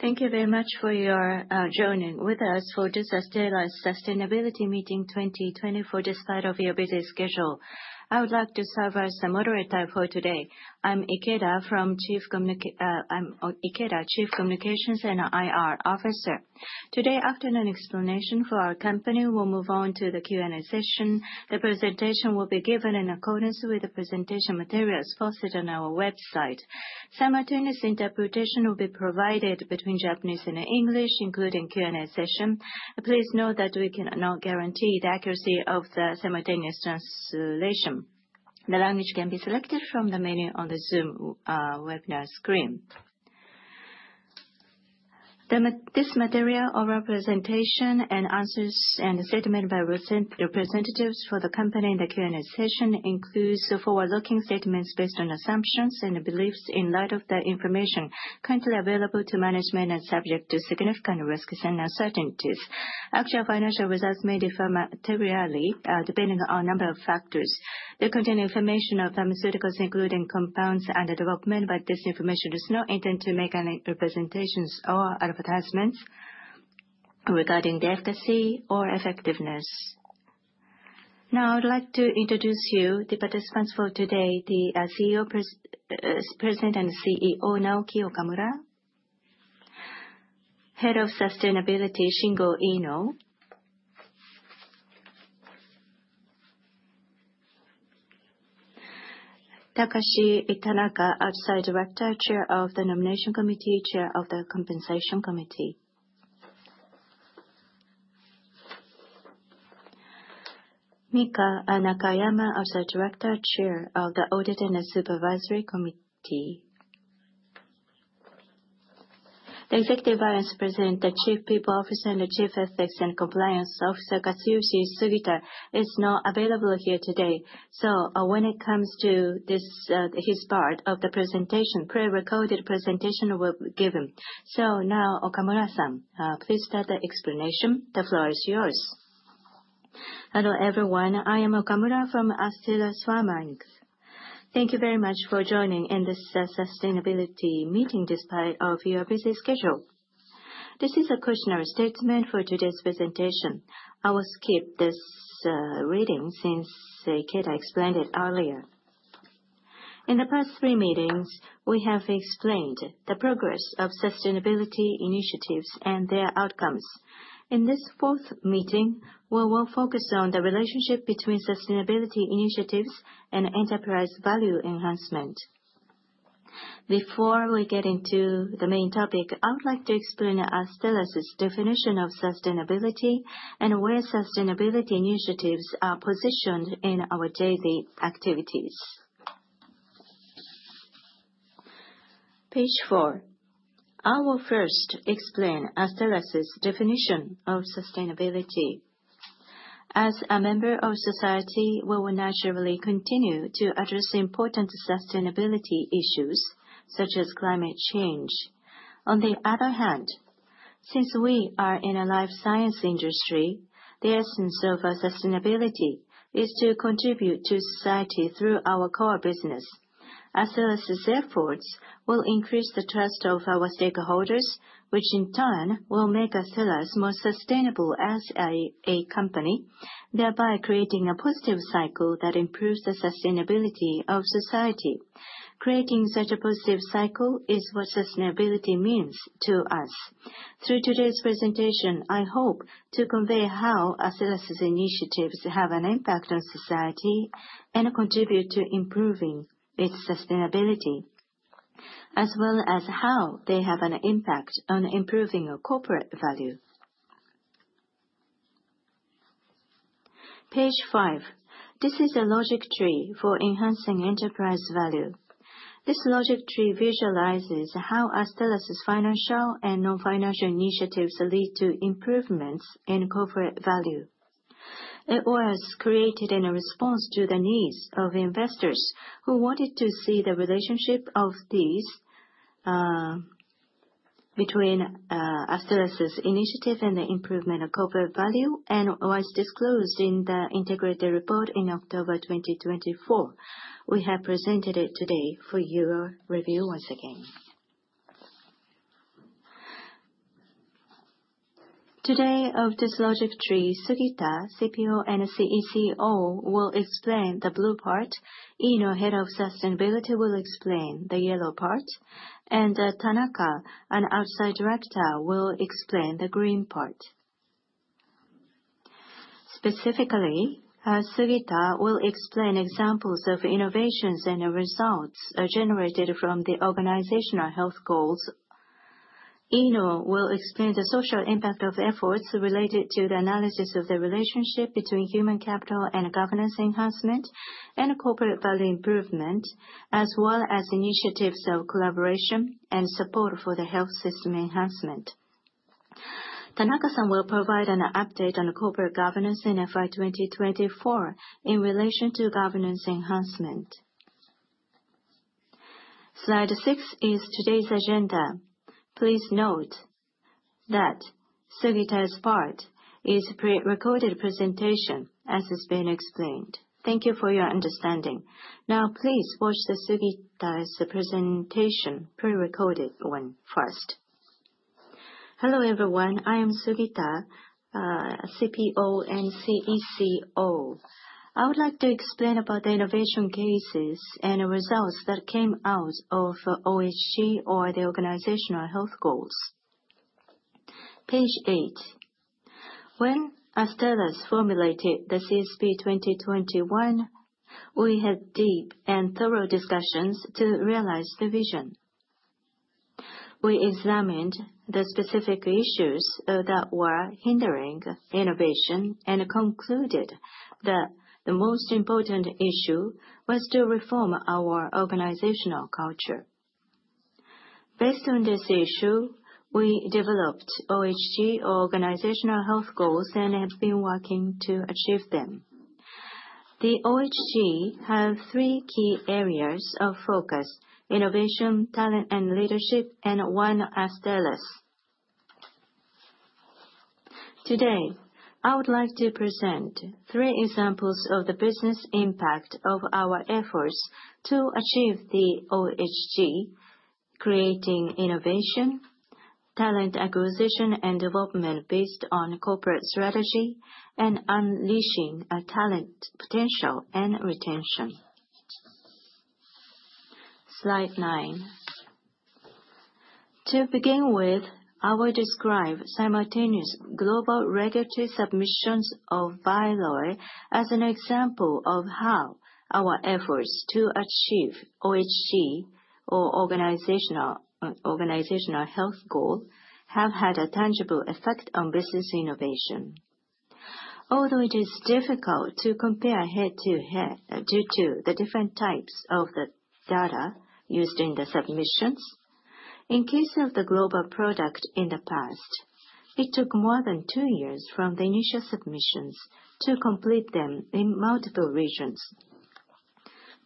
Thank you very much for your joining with us for this Astellas Sustainability Meeting 2024, despite your busy schedule. I would like to serve as the moderator for today. I'm Ikeda, Chief Communications and IR Officer. Today, after an explanation for our company, we will move on to the Q&A session. The presentation will be given in accordance with the presentation materials posted on our website. Simultaneous interpretation will be provided between Japanese and English, including Q&A session. Please note that we cannot guarantee the accuracy of the simultaneous translation. The language can be selected from the menu on the Zoom webinar screen. The material of our presentation, answers, and the statement by representatives for the company in the Q&A session includes forward-looking statements based on assumptions and beliefs in light of the information currently available to management and subject to significant risks and uncertainties. Actual financial results may differ materially, depending on a number of factors. They contain information on pharmaceuticals, including compounds under development, but this information does not intend to make any representations or advertisements regarding the efficacy or effectiveness. Now, I would like to introduce you the participants for today. The President and Chief Executive Officer, Naoki Okamura. Head of Sustainability, Shingo Iino. Takashi Tanaka, Outside Director, Chair of the Nomination Committee, Chair of the Compensation Committee. Mika Nakayama, Outside Director, Chair of the Audit and Supervisory Committee. The Executive Vice President, Chief People Officer and Chief Ethics and Compliance Officer, Katsuyoshi Sugita, is not available here today. So when it comes to his part of the presentation, a pre-recorded presentation will be given. So now, Okamura-san, please start the explanation. The floor is yours. Hello, everyone. I am Okamura from Astellas Pharma Inc. Thank you very much for joining in this Sustainability Meeting despite your busy schedule. This is a cautionary statement for today's presentation. I will skip this reading since Ikeda explained it earlier. In the past three meetings, we have explained the progress of sustainability initiatives and their outcomes. In this fourth meeting, we will focus on the relationship between sustainability initiatives and enterprise value enhancement. Before we get into the main topic, I would like to explain Astellas' definition of sustainability and where sustainability initiatives are positioned in our daily activities. Page four. I will first explain Astellas' definition of sustainability. As a member of society, we will naturally continue to address important sustainability issues, such as climate change. On the other hand, since we are in a life science industry, the essence of our sustainability is to contribute to society through our core business. Astellas' efforts will increase the trust of our stakeholders, which in turn will make Astellas more sustainable as a company, thereby creating a positive cycle that improves the sustainability of society. Creating such a positive cycle is what sustainability means to us. Through today's presentation, I hope to convey how Astellas' initiatives have an impact on society and contribute to improving its sustainability, as well as how they have an impact on improving our corporate value. Page five. This is a logic tree for enhancing enterprise value. This logic tree visualizes how Astellas' financial and non-financial initiatives lead to improvements in corporate value. It was created in response to the needs of investors, who wanted to see the relationship of these, between Astellas' initiative and the improvement of corporate value, and was disclosed in the integrated report in October 2024. We have presented it today for your review once again. Today, of this logic tree, Sugita, CPO and CCO, will explain the blue part. Iino, Head of Sustainability, will explain the yellow part, and Tanaka, an Outside Director, will explain the green part. Specifically, Sugita will explain examples of innovations and results generated from the Organizational Health Goals. Iino will explain the social impact of efforts related to the analysis of the relationship between human capital and governance enhancement and corporate value improvement, as well as initiatives of collaboration and support for the health system enhancement. Tanaka-san will provide an update on the corporate governance in FY 2024 in relation to governance enhancement. Slide six is today's agenda. Please note that Sugita's part is a pre-recorded presentation, as has been explained. Thank you for your understanding. Now, please watch Sugita's presentation, pre-recorded one first. Hello, everyone. I am Sugita, CPO and CECO. I would like to explain about the innovation cases and the results that came out of OHG or the Organizational Health Goals. Page eight. When Astellas formulated the CSP 2021, we had deep and thorough discussions to realize the vision. We examined the specific issues that were hindering innovation and concluded that the most important issue was to reform our organizational culture. Based on this issue, we developed OHG or Organizational Health Goals and have been working to achieve them. The OHG has three key areas of focus, innovation, talent and leadership, and One Astellas. Today, I would like to present three examples of the business impact of our efforts to achieve the OHG, creating innovation, talent acquisition, and development based on corporate strategy, and unleashing talent potential and retention. Slide nine. To begin with, I will describe simultaneous global regulatory submissions of VYLOY as an example of how our efforts to achieve OHG or Organizational Health Goals have had a tangible effect on business innovation. Although it is difficult to compare head to head due to the different types of the data used in the submissions, in case of the global product in the past, it took more than two years from the initial submissions to complete them in multiple regions.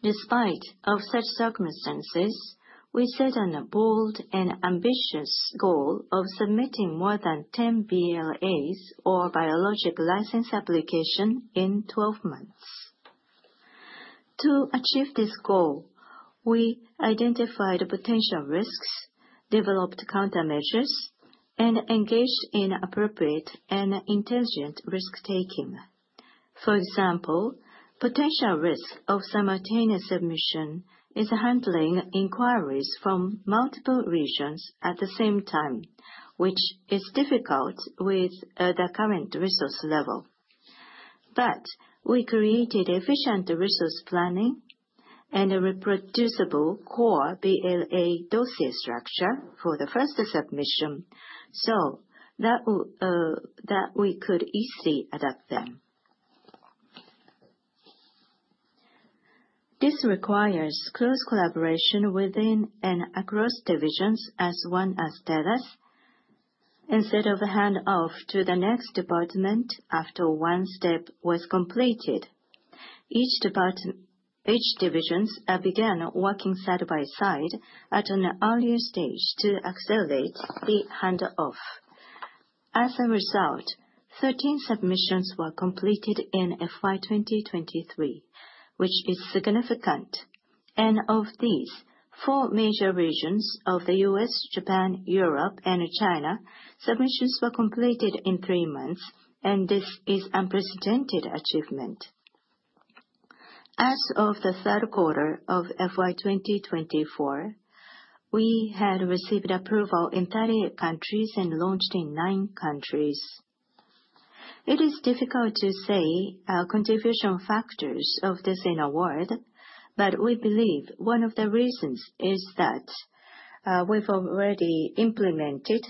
Despite such circumstances, we set a bold and ambitious goal of submitting more than 10 BLAs or Biologic License Application in 12 months. To achieve this goal, we identified potential risks, developed countermeasures, and engaged in appropriate and intelligent risk-taking. For example, potential risk of simultaneous submission is handling inquiries from multiple regions at the same time, which is difficult with the current resource level. We created efficient resource planning and a reproducible core BLA dossier structure for the first submission, so that we could easily adapt them. This requires close collaboration within and across divisions as One Astellas. Instead of hand off to the next department after one step was completed, each divisions began working side by side at an earlier stage to accelerate the handoff. As a result, 13 submissions were completed in FY 2023, which is significant. Of these, four major regions of the U.S., Japan, Europe, and China, submissions were completed in three months, and this is unprecedented achievement. As of the third quarter of FY 2024, we had received approval in 30 countries and launched in nine countries. It is difficult to say our contribution factors of this in a word, but we believe one of the reasons is that we've already implemented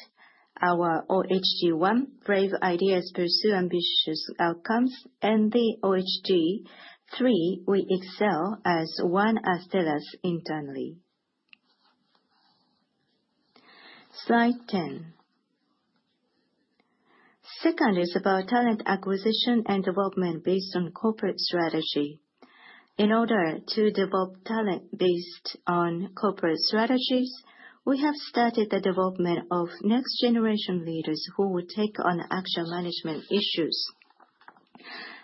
our OHG 1, brave ideas pursue ambitious outcomes, and the OHG 3, we excel as One Astellas internally. Slide 10. Second is about talent acquisition and development based on corporate strategy. In order to develop talent based on corporate strategies, we have started the development of next-generation leaders who will take on actual management issues.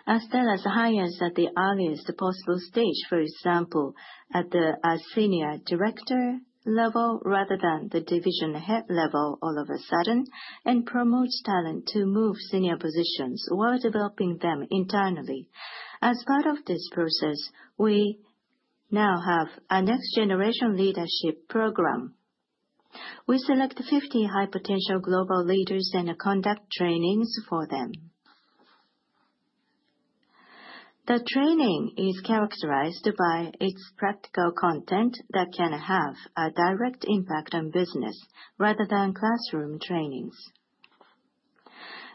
Astellas hires at the earliest possible stage, for example, at the senior director level rather than the division head level all of a sudden, and promotes talent to move senior positions while developing them internally. As part of this process, we now have a Next Generation Leadership Program. We select 50 high-potential global leaders and conduct trainings for them. The training is characterized by its practical content that can have a direct impact on business rather than classroom trainings.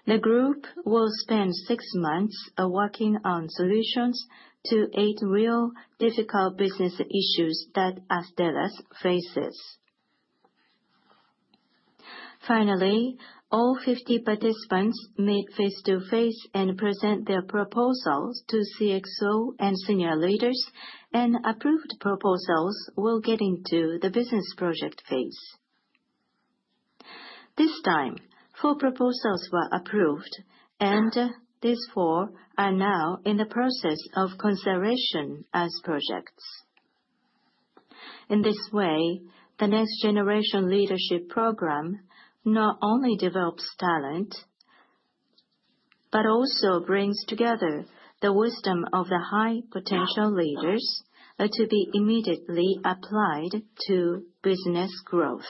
The group will spend six months working on solutions to eight real difficult business issues that Astellas faces. Finally, all 50 participants meet face to face and present their proposals to CXO and senior leaders, and approved proposals will get into the business project phase. This time, four proposals were approved, and these four are now in the process of consideration as projects. In this way, the Next Generation Leadership Program not only develops talent, but also brings together the wisdom of the high potential leaders, to be immediately applied to business growth.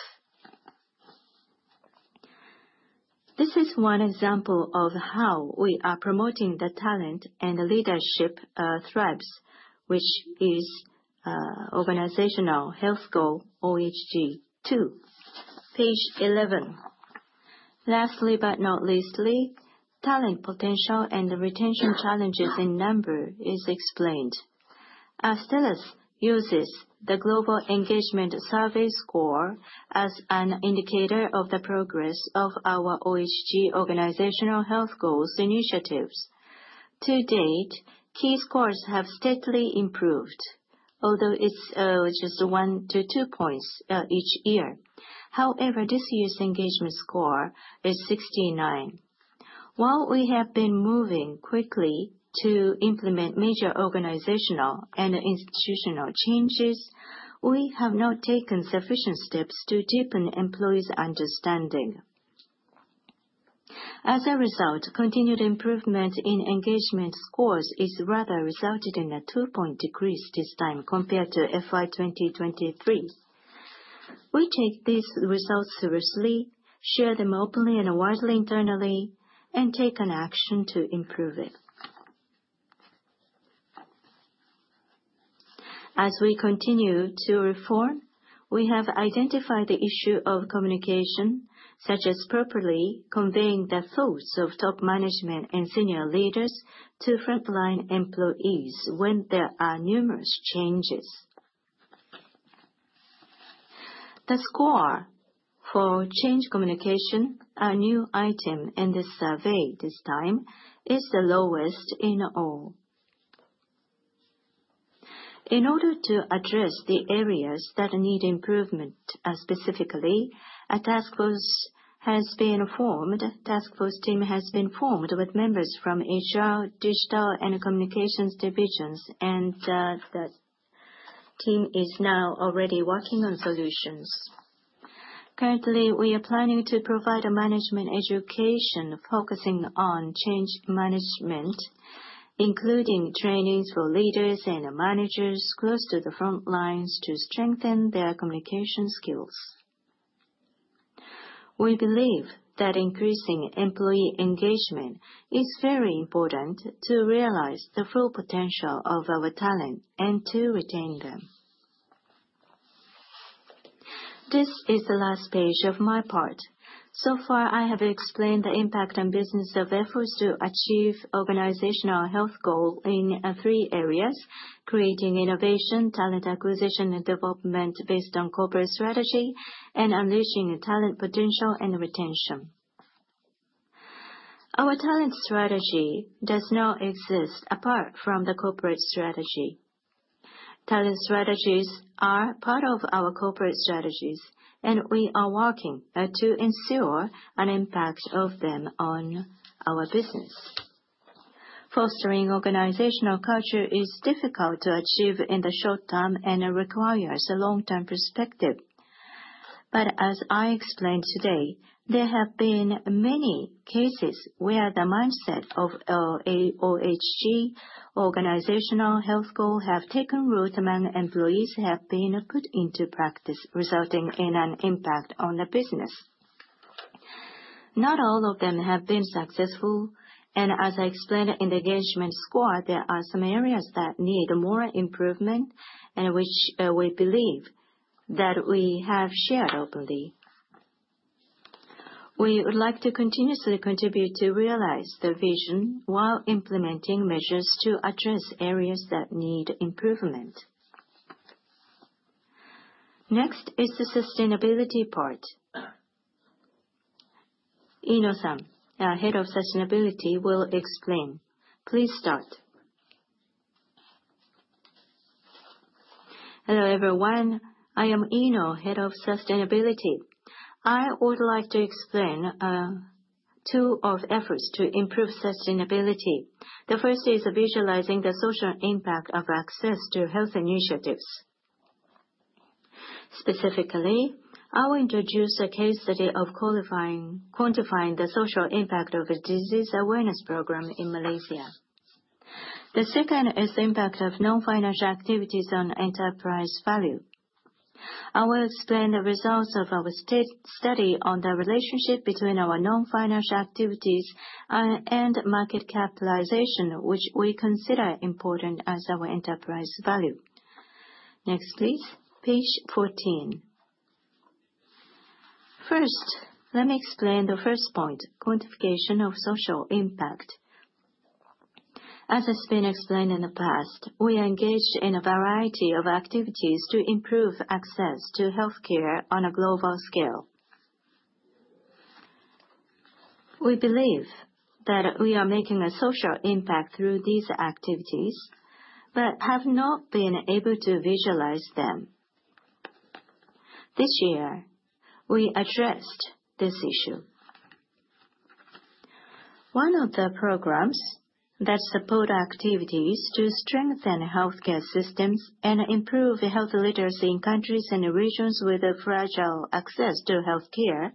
This is one example of how we are promoting the talent and the leadership threads, which is Organizational Health Goals, OHG 2. Page 11. Lastly but not least, talent potential and the retention challenges in number is explained. Astellas uses the global engagement survey score as an indicator of the progress of our OHG, Organizational Health Goals initiatives. To date, key scores have steadily improved, although it's just one to two points each year. However, this year's engagement score is 69. While we have been moving quickly to implement major organizational and institutional changes, we have not taken sufficient steps to deepen employees' understanding. As a result, continued improvement in engagement scores is rather resulted in a two-point decrease this time compared to FY 2023. We take these results seriously, share them openly and widely internally, and take an action to improve it. As we continue to reform, we have identified the issue of communication, such as properly conveying the thoughts of top management and senior leaders to frontline employees when there are numerous changes. The score for change communication, a new item in the survey this time, is the lowest in all. In order to address the areas that need improvement specifically, a task force team has been formed with members from HR, digital, and communications divisions. That team is now already working on solutions. Currently, we are planning to provide a management education focusing on change management, including trainings for leaders and managers close to the front lines to strengthen their communication skills. We believe that increasing employee engagement is very important to realize the full potential of our talent and to retain them. This is the last page of my part. So far, I have explained the impact on business of efforts to achieve Organizational Health Goal in three areas: creating innovation, talent acquisition and development based on corporate strategy, and unleashing talent potential and retention. Our talent strategy does not exist apart from the corporate strategy. Talent strategies are part of our corporate strategies, and we are working to ensure an impact of them on our business. Fostering organizational culture is difficult to achieve in the short term and requires a long-term perspective. But as I explained today, there have been many cases where the mindset of OHG, Organizational Health Goal, has taken root among employees, been put into practice, resulting in an impact on the business. Not all of them have been successful. As I explained in the engagement score, there are some areas that need more improvement, which we believe that we have shared openly. We would like to continuously contribute to realize the vision while implementing measures to address areas that need improvement. The sustainability part. Ino-san, our Head of Sustainability, will explain. Please start. Hello, everyone. I am Ino, Head of Sustainability. I would like to explain two of efforts to improve sustainability. The first is visualizing the social impact of access to health initiatives. Specifically, I will introduce a case study of quantifying the social impact of a disease awareness program in Malaysia. The second is impact of non-financial activities on enterprise value. I will explain the results of our study on the relationship between our non-financial activities and market capitalization, which we consider important as our enterprise value. Page 14. First, let me explain the first point, quantification of social impact. As has been explained in the past, we are engaged in a variety of activities to improve access to healthcare on a global scale. We believe that we are making a social impact through these activities, but have not been able to visualize them. This year, we addressed this issue. One of the programs that support activities to strengthen healthcare systems and improve health literacy in countries and regions with fragile access to healthcare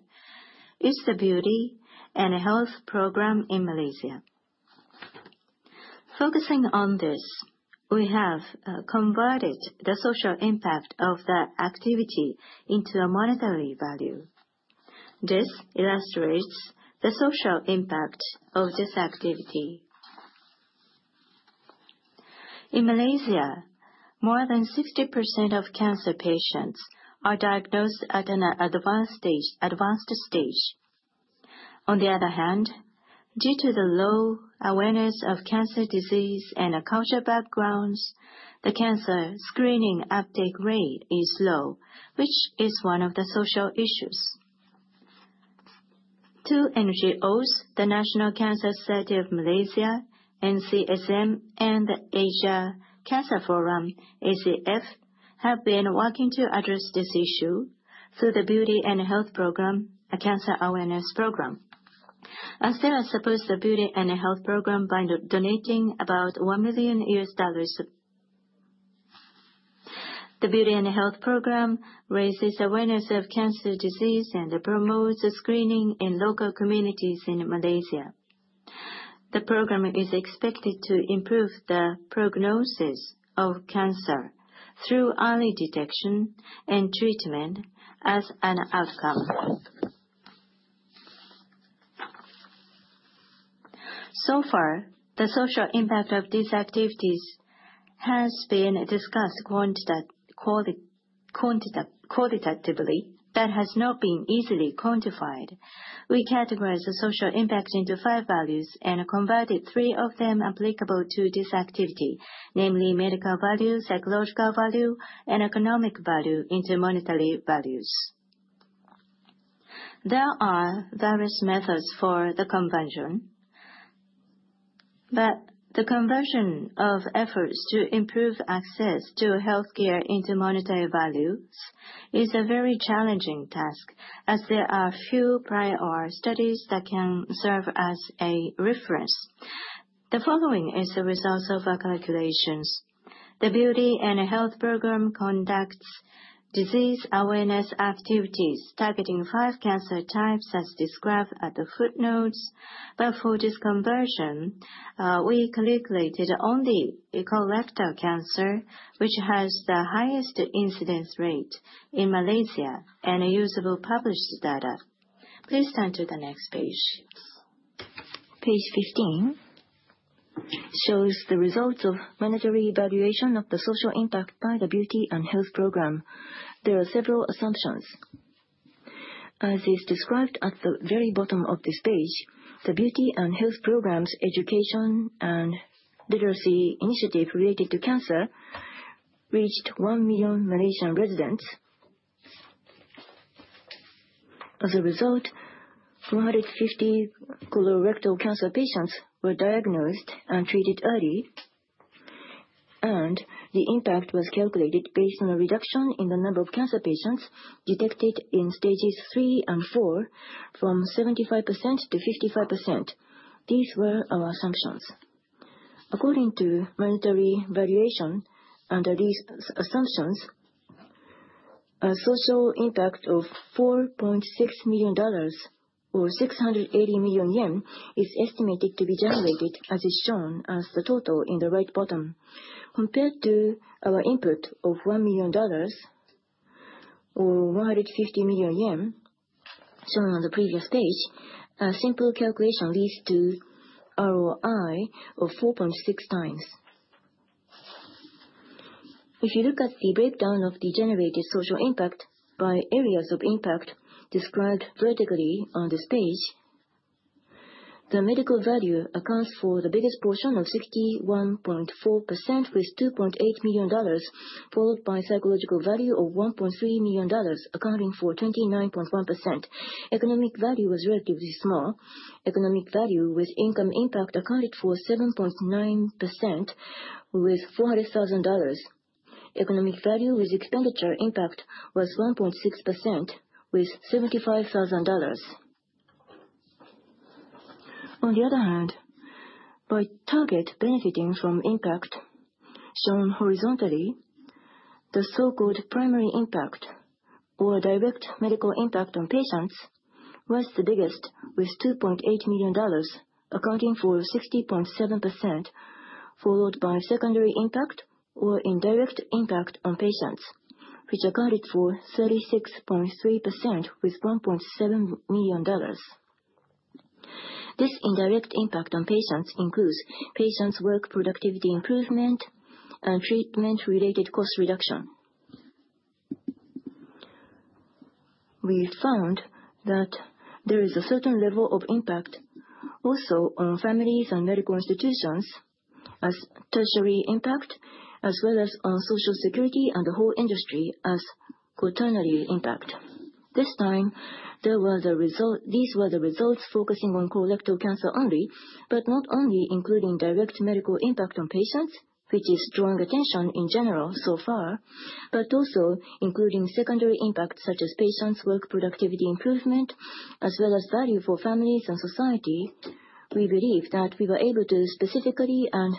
is the Beauty & Health Program in Malaysia. Focusing on this, we have converted the social impact of the activity into a monetary value. This illustrates the social impact of this activity. In Malaysia, more than 60% of cancer patients are diagnosed at an advanced stage. Due to the low awareness of cancer disease and cultural backgrounds, the cancer screening uptake rate is low, which is one of the social issues. Two NGOs, the National Cancer Society of Malaysia, NCSM, and the Asia Cancer Forum, ACF, have been working to address this issue through the Beauty & Health Program, a cancer awareness program. Astellas supports the Beauty & Health Program by donating about $1 million. The Beauty & Health Program raises awareness of cancer disease and promotes screening in local communities in Malaysia. The program is expected to improve the prognosis of cancer through early detection and treatment as an outcome. The social impact of these activities has been discussed qualitatively but has not been easily quantified. We categorize the social impact into five values and converted three of them applicable to this activity, namely medical value, psychological value, and economic value into monetary values. There are various methods for the conversion, but the conversion of efforts to improve access to healthcare into monetary values is a very challenging task, as there are few prior studies that can serve as a reference. The following is the results of our calculations. The BEAUTY & Health Program conducts disease awareness activities targeting 5 cancer types as described at the footnotes. For this conversion, we calculated only colorectal cancer, which has the highest incidence rate in Malaysia and usable published data. Please turn to the next page. Page 15 shows the results of monetary valuation of the social impact by the BEAUTY & Health Program. There are several assumptions. As is described at the very bottom of this page, the BEAUTY & Health Program's education and literacy initiative related to cancer reached 1 million Malaysian residents. As a result, 450 colorectal cancer patients were diagnosed and treated early, and the impact was calculated based on a reduction in the number of cancer patients detected in stages 3 and 4, from 75%-55%. These were our assumptions. According to monetary valuation under these assumptions, a social impact of $4.6 million or 680 million yen is estimated to be generated, as is shown as the total in the right bottom. Compared to our input of $1 million or JPY 150 million, shown on the previous page, a simple calculation leads to ROI of 4.6 times. If you look at the breakdown of the generated social impact by areas of impact described vertically on this page, the medical value accounts for the biggest portion of 61.4% with $2.8 million, followed by psychological value of $1.3 million, accounting for 29.1%. Economic value was relatively small. Economic value with income impact accounted for 7.9% with $400,000. Economic value with expenditure impact was 1.6% with $75,000. By target benefiting from impact shown horizontally, the so-called primary impact or direct medical impact on patients was the biggest with $2.8 million, accounting for 60.7%, followed by secondary impact or indirect impact on patients, which accounted for 36.3% with $1.7 million. This indirect impact on patients includes patients' work productivity improvement and treatment-related cost reduction. We found that there is a certain level of impact also on families and medical institutions As tertiary impact, as well as on Social Security and the whole industry as quaternary impact. This time, these were the results focusing on colorectal cancer only, not only including direct medical impact on patients, which is drawing attention in general so far, but also including secondary impacts such as patients' work productivity improvement, as well as value for families and society. We believe that we were able to specifically and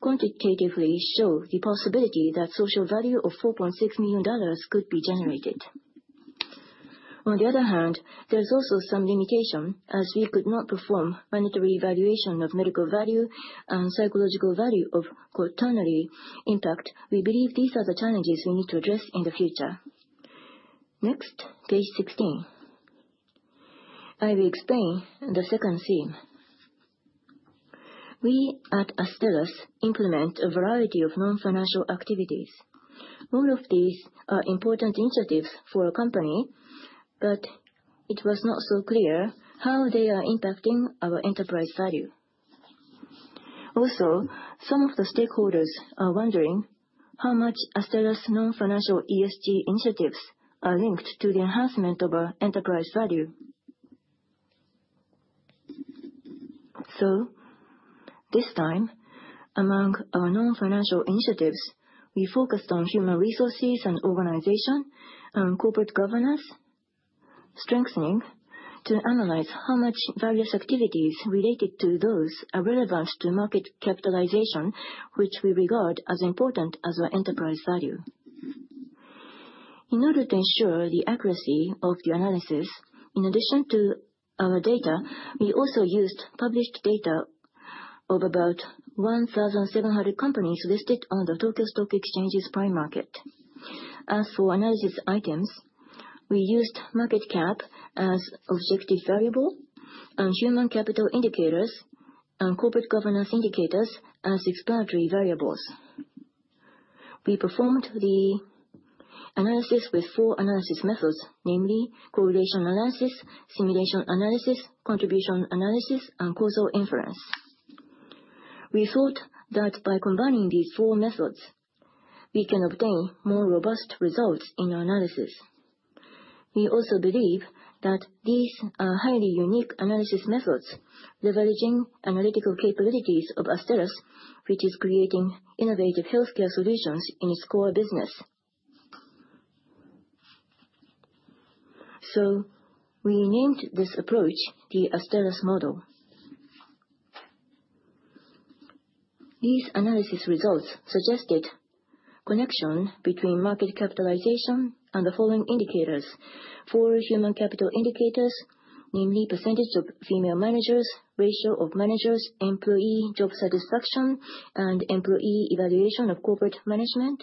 quantitatively show the possibility that social value of $4.6 million could be generated. There's also some limitation as we could not perform monetary evaluation of medical value and psychological value of quaternary impact. We believe these are the challenges we need to address in the future. Page 16. I will explain the second theme. We at Astellas implement a variety of non-financial activities. All of these are important initiatives for a company. It was not so clear how they are impacting our enterprise value. Also, some of the stakeholders are wondering how much Astellas non-financial ESG initiatives are linked to the enhancement of our enterprise value. This time, among our non-financial initiatives, we focused on human resources and organization and corporate governance strengthening to analyze how much various activities related to those are relevant to market capitalization, which we regard as important as our enterprise value. In order to ensure the accuracy of the analysis, in addition to our data, we also used published data of about 1,700 companies listed on the Tokyo Stock Exchange's prime market. As for analysis items, we used market cap as objective variable and human capital indicators and corporate governance indicators as exploratory variables. We performed the analysis with four analysis methods, namely correlation analysis, simulation analysis, contribution analysis, and causal inference. We thought that by combining these four methods, we can obtain more robust results in our analysis. We also believe that these are highly unique analysis methods, leveraging analytical capabilities of Astellas, which is creating innovative healthcare solutions in its core business. We named this approach the Astellas Model. These analysis results suggested connection between market capitalization and the following indicators. Four human capital indicators, namely percentage of female managers, ratio of managers, employee job satisfaction, and employee evaluation of corporate management,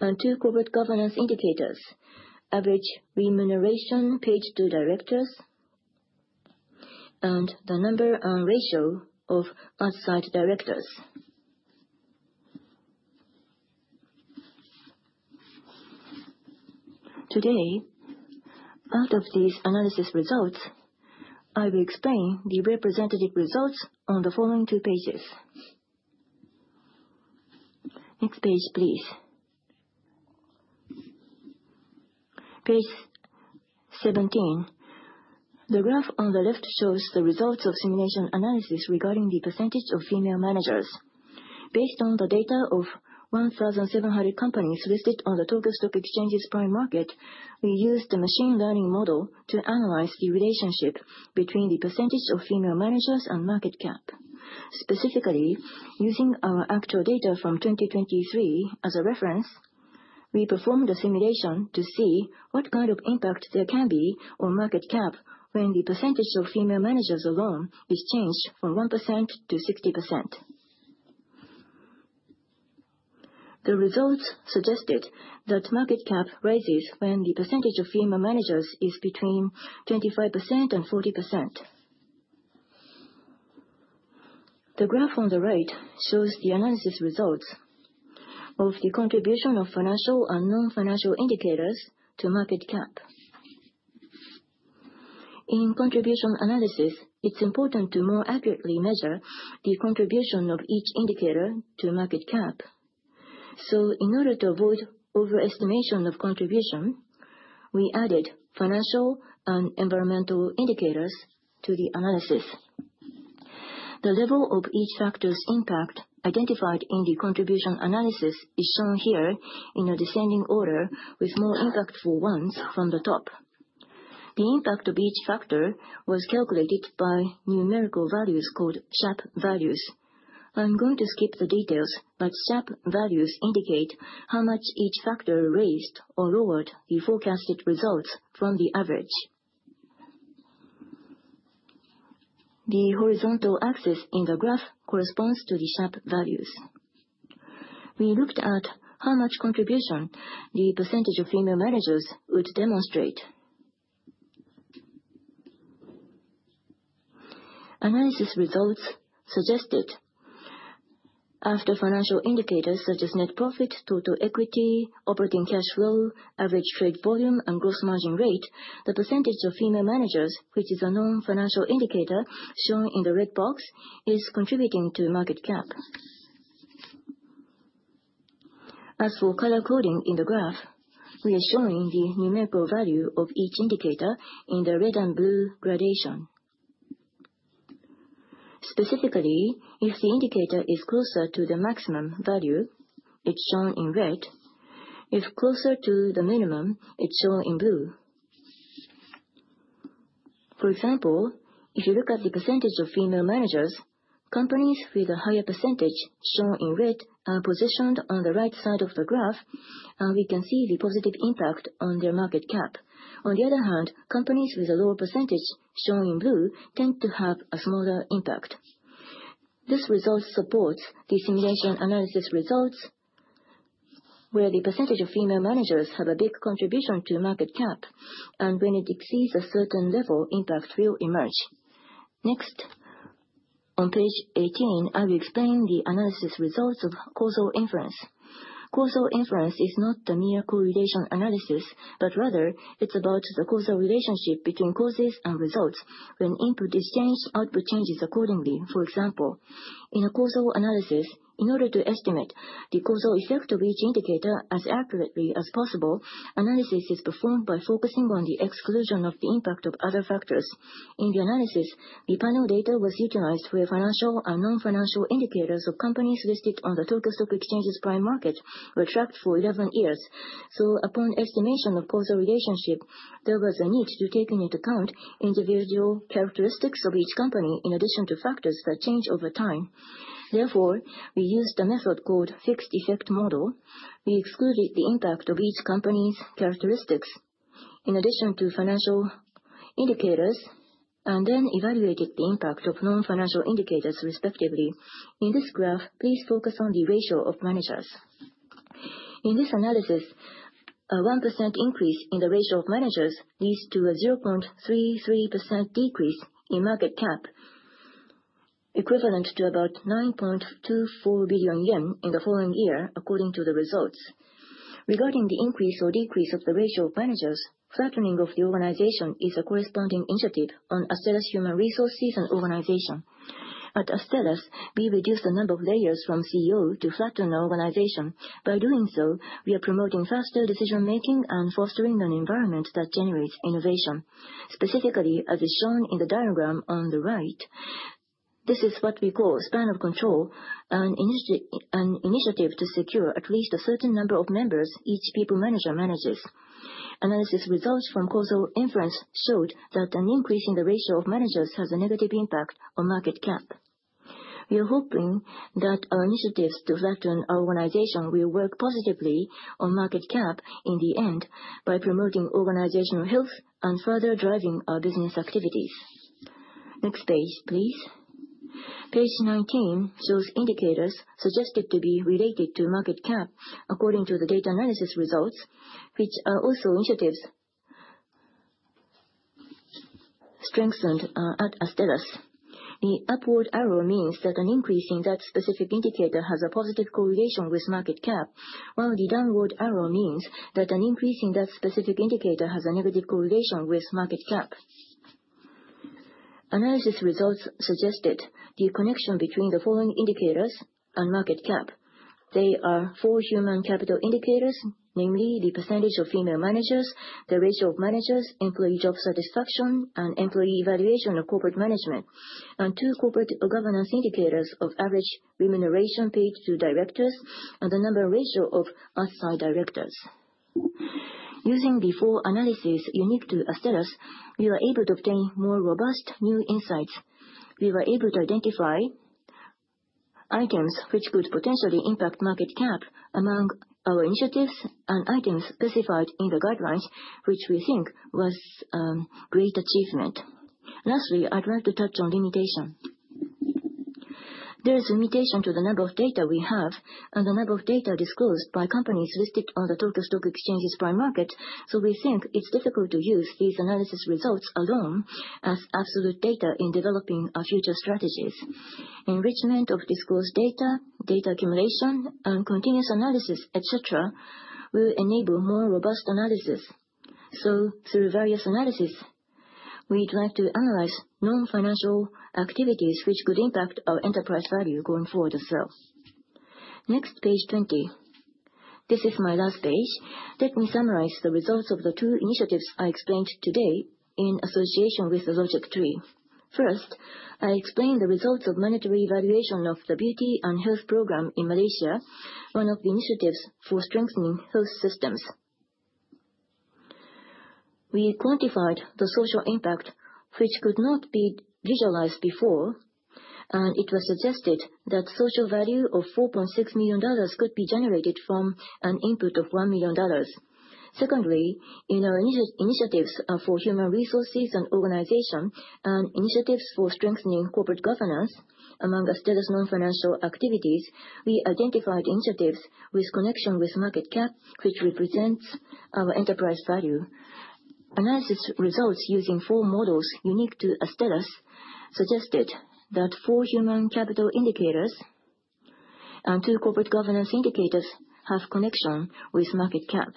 and two corporate governance indicators, average remuneration paid to directors and the number and ratio of outside directors. Today, out of these analysis results, I will explain the representative results on the following two pages. Next page, please. Page 17. The graph on the left shows the results of simulation analysis regarding the percentage of female managers. Based on the data of 1,700 companies listed on the Tokyo Stock Exchange's prime market, we used a machine learning model to analyze the relationship between the percentage of female managers and market cap. Specifically, using our actual data from 2023 as a reference, we performed a simulation to see what kind of impact there can be on market cap when the percentage of female managers alone is changed from 1% to 60%. The results suggested that market cap rises when the percentage of female managers is between 25% and 40%. The graph on the right shows the analysis results of the contribution of financial and non-financial indicators to market cap. In contribution analysis, it's important to more accurately measure the contribution of each indicator to market cap. In order to avoid overestimation of contribution, we added financial and environmental indicators to the analysis. The level of each factor's impact identified in the contribution analysis is shown here in a descending order, with more impactful ones from the top. The impact of each factor was calculated by numerical values called SHAP values. I'm going to skip the details, but SHAP values indicate how much each factor raised or lowered the forecasted results from the average. The horizontal axis in the graph corresponds to the SHAP values. We looked at how much contribution the percentage of female managers would demonstrate. Analysis results suggested after financial indicators such as net profit, total equity, operating cash flow, average trade volume, and gross margin rate, the percentage of female managers, which is a non-financial indicator shown in the red box, is contributing to market cap. As for color coding in the graph, we are showing the numerical value of each indicator in the red and blue gradation. Specifically, if the indicator is closer to the maximum value, it's shown in red. If closer to the minimum, it's shown in blue. For example, if you look at the percentage of female managers, companies with a higher percentage, shown in red, are positioned on the right side of the graph, and we can see the positive impact on their market cap. On the other hand, companies with a lower percentage, shown in blue, tend to have a smaller impact. This result supports the simulation analysis results, where the percentage of female managers have a big contribution to market cap, and when it exceeds a certain level, impact will emerge. Next, on page 18, I will explain the analysis results of causal inference. Rather it's about the causal relationship between causes and results. When input is changed, output changes accordingly. For example, in a causal analysis, in order to estimate the causal effect of each indicator as accurately as possible, analysis is performed by focusing on the exclusion of the impact of other factors. In the analysis, the panel data was utilized where financial and non-financial indicators of companies listed on the Tokyo Stock Exchange's prime market were tracked for 11 years. Upon estimation of causal relationship, there was a need to take into account individual characteristics of each company, in addition to factors that change over time. Therefore, we used a method called fixed effects model. We excluded the impact of each company's characteristics in addition to financial indicators, Then evaluated the impact of non-financial indicators respectively. In this graph, please focus on the ratio of managers. In this analysis, a 1% increase in the ratio of managers leads to a 0.33% decrease in market cap, equivalent to about 9.24 billion yen in the following year, according to the results. Regarding the increase or decrease of the ratio of managers, flattening of the organization is a corresponding initiative on Astellas Human Resources and Organization. At Astellas, we reduced the number of layers from CEO to flatten the organization. By doing so, we are promoting faster decision-making and fostering an environment that generates innovation. Specifically, as is shown in the diagram on the right, this is what we call span of control, an initiative to secure at least a certain number of members each people manager manages. Analysis results from causal inference showed that an increase in the ratio of managers has a negative impact on market cap. We are hoping that our initiatives to flatten our organization will work positively on market cap in the end, by promoting organizational health and further driving our business activities. Next page, please. Page 19 shows indicators suggested to be related to market cap according to the data analysis results, which are also initiatives strengthened at Astellas. The upward arrow means that an increase in that specific indicator has a positive correlation with market cap, while the downward arrow means that an increase in that specific indicator has a negative correlation with market cap. Analysis results suggested the connection between the following indicators and market cap. They are four human capital indicators, namely, the percentage of female managers, the ratio of managers, employee job satisfaction, and employee evaluation of corporate management, and two corporate governance indicators of average remuneration paid to directors and the number ratio of outside directors. Using the four analyses unique to Astellas, we were able to obtain more robust new insights. We were able to identify items which could potentially impact market cap among our initiatives and items specified in the guidelines, which we think was a great achievement. Lastly, I'd like to touch on limitation. There is a limitation to the number of data we have and the number of data disclosed by companies listed on the Tokyo Stock Exchange's prime market, so we think it's difficult to use these analysis results alone as absolute data in developing our future strategies. Enrichment of disclosed data accumulation, and continuous analysis, et cetera, will enable more robust analysis. Through various analysis, we'd like to analyze non-financial activities which could impact our enterprise value going forward as well. Next, page 20. This is my last page. Let me summarize the results of the two initiatives I explained today in association with the logic tree. First, I explained the results of monetary evaluation of the BEAUTY & Health Program in Malaysia, one of the initiatives for strengthening health systems. We quantified the social impact, which could not be visualized before, and it was suggested that social value of $4.6 million could be generated from an input of $1 million. Secondly, in our initiatives for human resources and organization, and initiatives for strengthening corporate governance among Astellas non-financial activities, we identified initiatives with connection with market cap, which represents our enterprise value. Analysis results using four models unique to Astellas suggested that four human capital indicators and two corporate governance indicators have connection with market cap.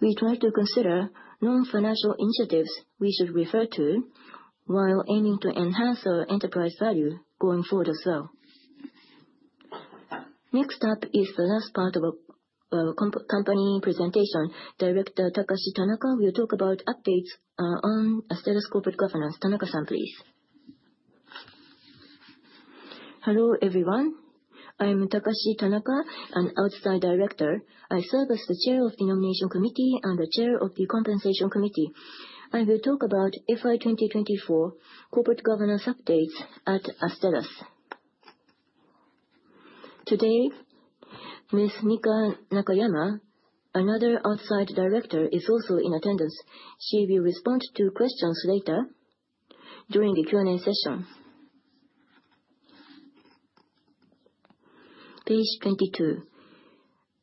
We try to consider non-financial initiatives we should refer to while aiming to enhance our enterprise value going forward as so. Next up is the last part of our company presentation. Director Takashi Tanaka will talk about updates on Astellas corporate governance. Tanaka-san, please. Hello, everyone. I am Takashi Tanaka, an outside director. I serve as the Chair of the Nomination Committee and the Chair of the Compensation Committee. I will talk about FY 2024 corporate governance updates at Astellas. Today, Ms. Mika Nakayama, another outside director, is also in attendance. She will respond to questions later during the Q&A session. Page 22.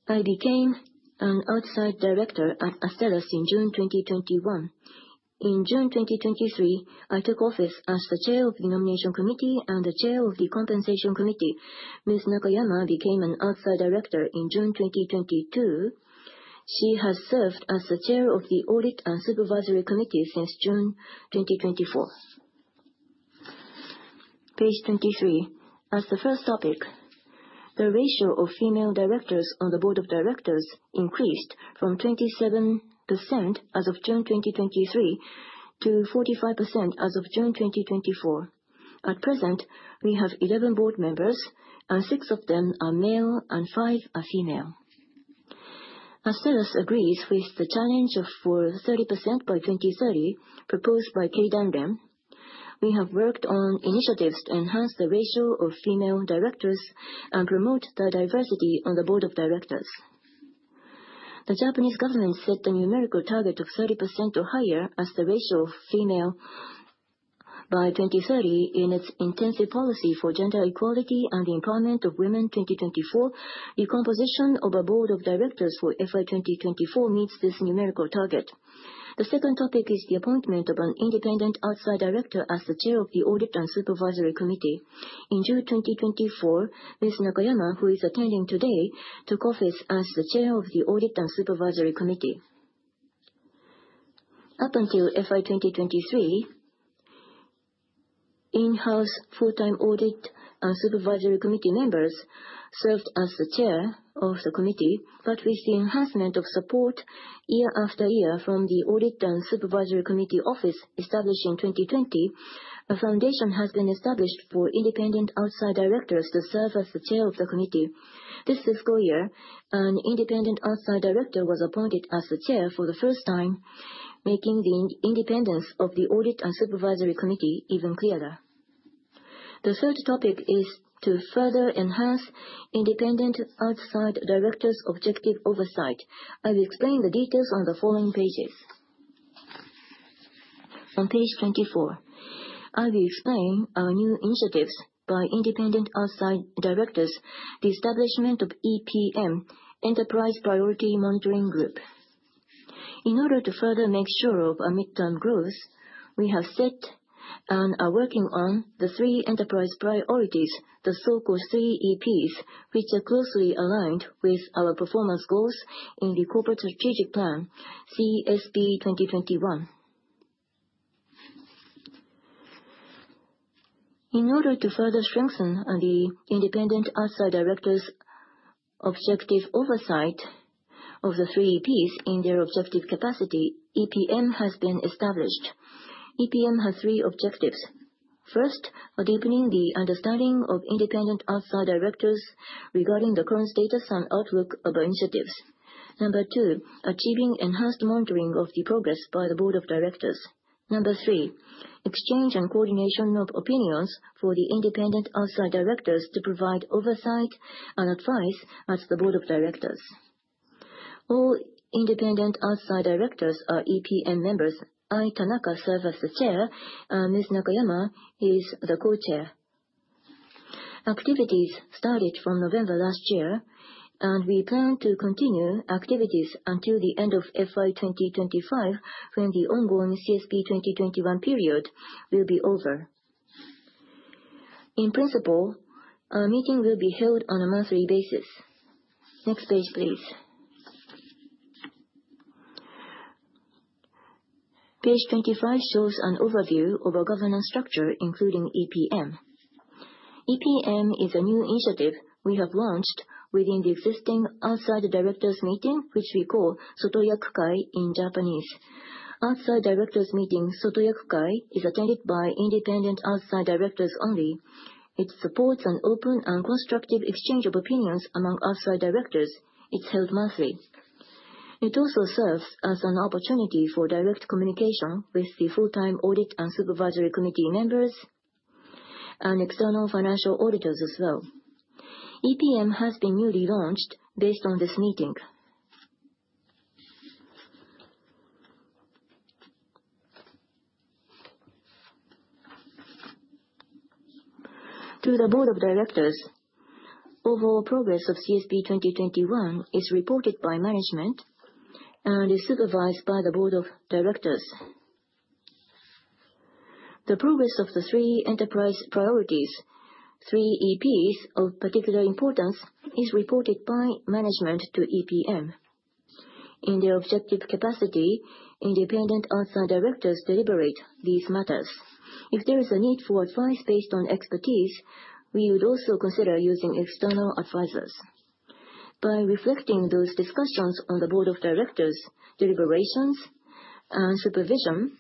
I became an outside director at Astellas in June 2021. In June 2023, I took office as the Chair of the Nomination Committee and the Chair of the Compensation Committee. Ms. Nakayama became an outside director in June 2022. She has served as the Chair of the Audit and Supervisory Committee since June 2024. Page 23. As the first topic, the ratio of female directors on the board of directors increased from 27% as of June 2023 to 45% as of June 2024. At present, we have 11 board members, and six of them are male and five are female. Astellas agrees with the challenge for 30% by 2030 proposed by Keidanren. We have worked on initiatives to enhance the ratio of female directors and promote the diversity on the board of directors. The Japanese government set a numerical target of 30% or higher as the ratio of female by 2030 in its intensive policy for gender equality and the empowerment of women 2024. The composition of a board of directors for FY 2024 meets this numerical target. The second topic is the appointment of an independent outside director as the Chair of the Audit and Supervisory Committee. In June 2024, Ms. Nakayama, who is attending today, took office as the chair of the audit and supervisory committee. Up until FY 2023, in-house full-time audit and supervisory committee members served as the chair of the committee, but with the enhancement of support year after year from the audit and supervisory committee office established in 2020, a foundation has been established for independent outside directors to serve as the chair of the committee. This fiscal year, an independent outside director was appointed as the chair for the first time, making the independence of the audit and supervisory committee even clearer. The third topic is to further enhance independent outside directors' objective oversight. I will explain the details on the following pages. On page 24, I'll explain our new initiatives by independent outside directors, the establishment of EPM, Enterprise Priority Monitoring group. In order to further make sure of our midterm growth, we have set and are working on the three Enterprise Priorities, the so-called 3EPs, which are closely aligned with our performance goals in the Corporate Strategic Plan CSP 2021. In order to further strengthen the independent outside directors' objective oversight of the 3EPs in their objective capacity, EPM has been established. EPM has three objectives. First, deepening the understanding of independent outside directors regarding the current status and outlook of our initiatives. Number two, achieving enhanced monitoring of the progress by the board of directors. Number three, exchange and coordination of opinions for the independent outside directors to provide oversight and advice at the board of directors. All independent outside directors are EPM members. I, Tanaka, serve as the chair, and Ms. Nakayama is the co-chair. Activities started from November last year. We plan to continue activities until the end of FY 2025, when the ongoing CSP 2021 period will be over. In principle, our meeting will be held on a monthly basis. Next page, please. Page 25 shows an overview of our governance structure, including EPM. EPM is a new initiative we have launched within the existing Outside Directors' Meeting, which we call Sotoyakukai in Japanese. Outside Directors' Meeting, Sotoyakukai, is attended by independent outside directors only. It supports an open and constructive exchange of opinions among outside directors. It's held monthly. It also serves as an opportunity for direct communication with the full-time audit and supervisory committee members and external financial auditors as well. EPM has been newly launched based on this meeting. To the board of directors, overall progress of CSP 2021 is reported by management and is supervised by the board of directors. The progress of the three Enterprise Priorities, 3EPs, of particular importance is reported by management to EPM. In their objective capacity, independent Outside Directors deliberate these matters. If there is a need for advice based on expertise, we would also consider using external advisors. By reflecting those discussions on the Board of Directors deliberations and supervision,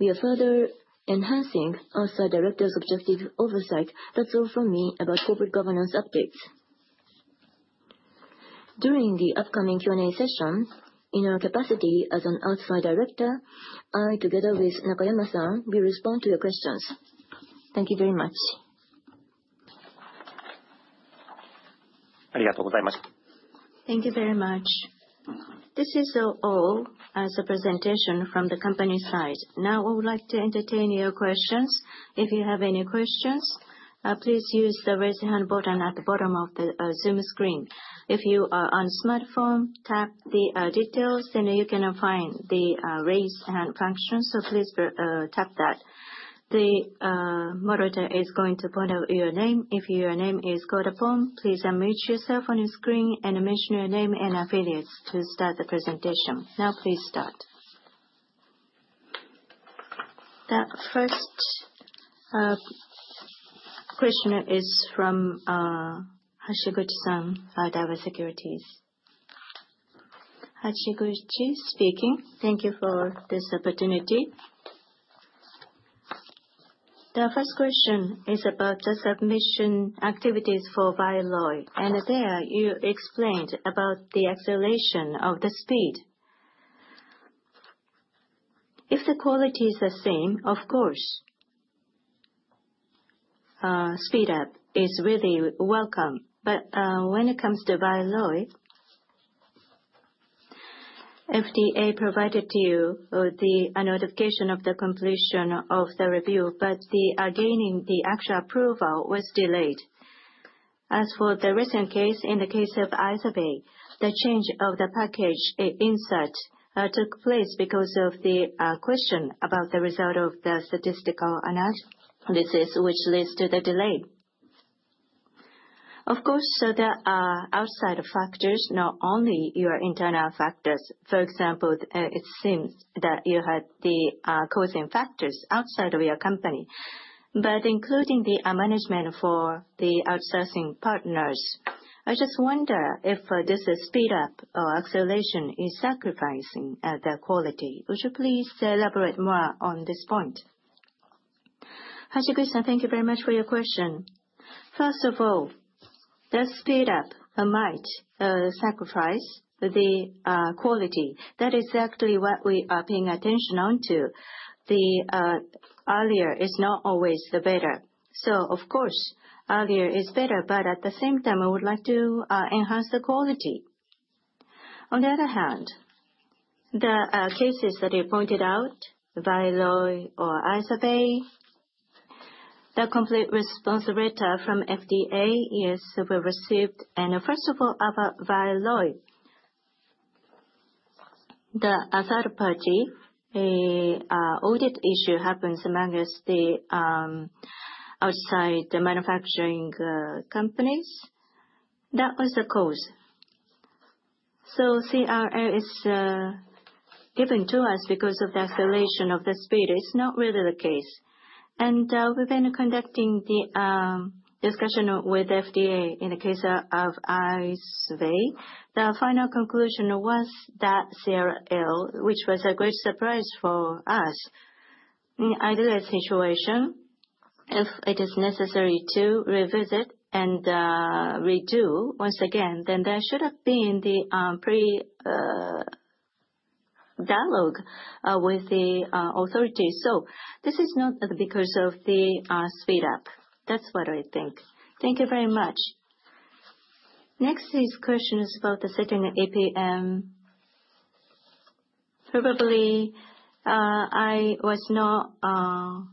we are further enhancing our directors' objective oversight. That's all from me about corporate governance updates. During the upcoming Q&A session, in our capacity as an Outside Director, I, together with Nakayama-san, will respond to your questions. Thank you very much. Thank you very much. Thank you very much. This is all as a presentation from the company side. We would like to entertain your questions. If you have any questions, please use the raise hand button at the bottom of the Zoom screen. If you are on a smartphone, tap the details, and you can find the raise hand function, so please tap that. The moderator is going to call out your name. If your name is called upon, please unmute yourself on your screen and mention your name and affiliates to start the presentation. Please start. The first question is from Kazuaki-san, Daiwa Securities. Kazuaki speaking. Thank you for this opportunity. The first question is about the submission activities for VYLOY. There you explained about the acceleration of the speed. If the quality is the same, of course, speed up is really welcome. When it comes to VYLOY, FDA provided to you the notification of the completion of the review, but gaining the actual approval was delayed. As for the recent case, in the case of IZERVAY, the change of the package insert took place because of the question about the result of the statistical analysis, which leads to the delay. Of course, there are outside factors, not only your internal factors. For example, it seems that you had the causing factors outside of your company. Including the management for the outsourcing partners, I just wonder if this speed up or acceleration is sacrificing the quality. Would you please elaborate more on this point? Kazuaki-san, thank you very much for your question. First of all, the speed up might sacrifice the quality. That is exactly what we are paying attention on to. The earlier is not always the better. Of course, earlier is better, but at the same time, I would like to enhance the quality. On the other hand, the cases that you pointed out, VYLOY or IZERVAY, the complete response letter from FDA is well received. First of all, about VYLOY. The third party audit issue happens amongst the outside manufacturing companies. That was the cause. CRL is given to us because of the acceleration of the speed. It's not really the case. We've been conducting the discussion with FDA in the case of IZERVAY. The final conclusion was that CRL, which was a great surprise for us. In either situation, if it is necessary to revisit and redo once again, then there should have been the pre-dialogue with the authority. This is not because of the speed up. That's what I think. Thank you very much. Next is questions about the setting EPM. Probably, I was not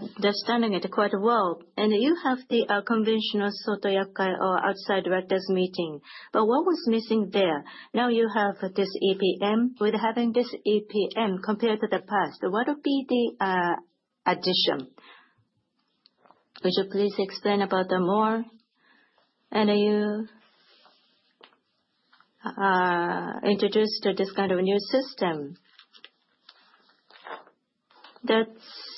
understanding it quite well. You have the conventional Sotoyakukai or outside directors meeting. What was missing there? You have this EPM. With having this EPM compared to the past, what would be the addition? Would you please explain about that more? You introduced this kind of new system. That is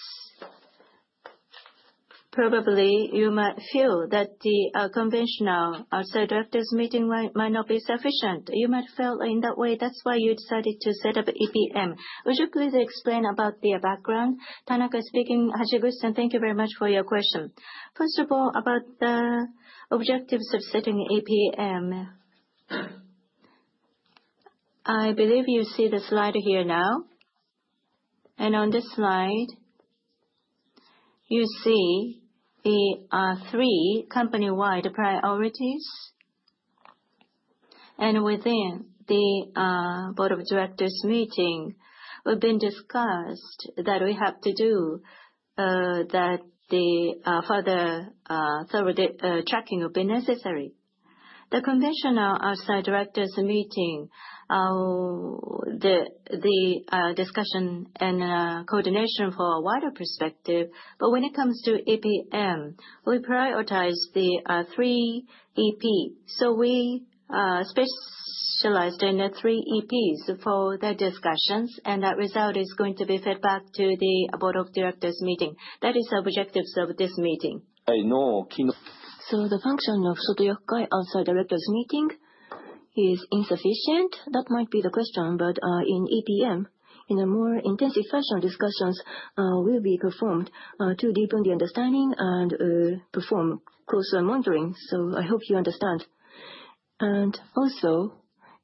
probably, you might feel that the conventional outside directors meeting might not be sufficient. You might feel in that way, that is why you decided to set up EPM. Would you please explain about the background? Tanaka speaking. Kazuaki-san, thank you very much for your question. First of all, about the objectives of setting EPM. I believe you see the slide here now. On this slide, you see the three company-wide priorities. Within the board of directors meeting, we have been discussed that we have to do that the further thorough tracking will be necessary. The conventional Sotoyakukai outside directors meeting, the discussion and coordination for a wider perspective. When it comes to EPM, we prioritize the three EP. We specialize in the three EPs for the discussions, and that result is going to be fed back to the board of directors meeting. That is the objectives of this meeting. The function of Sotoyakukai outside directors meeting is insufficient. That might be the question, but, in EPM, more intense professional discussions will be performed to deepen the understanding and perform closer monitoring. I hope you understand. Also,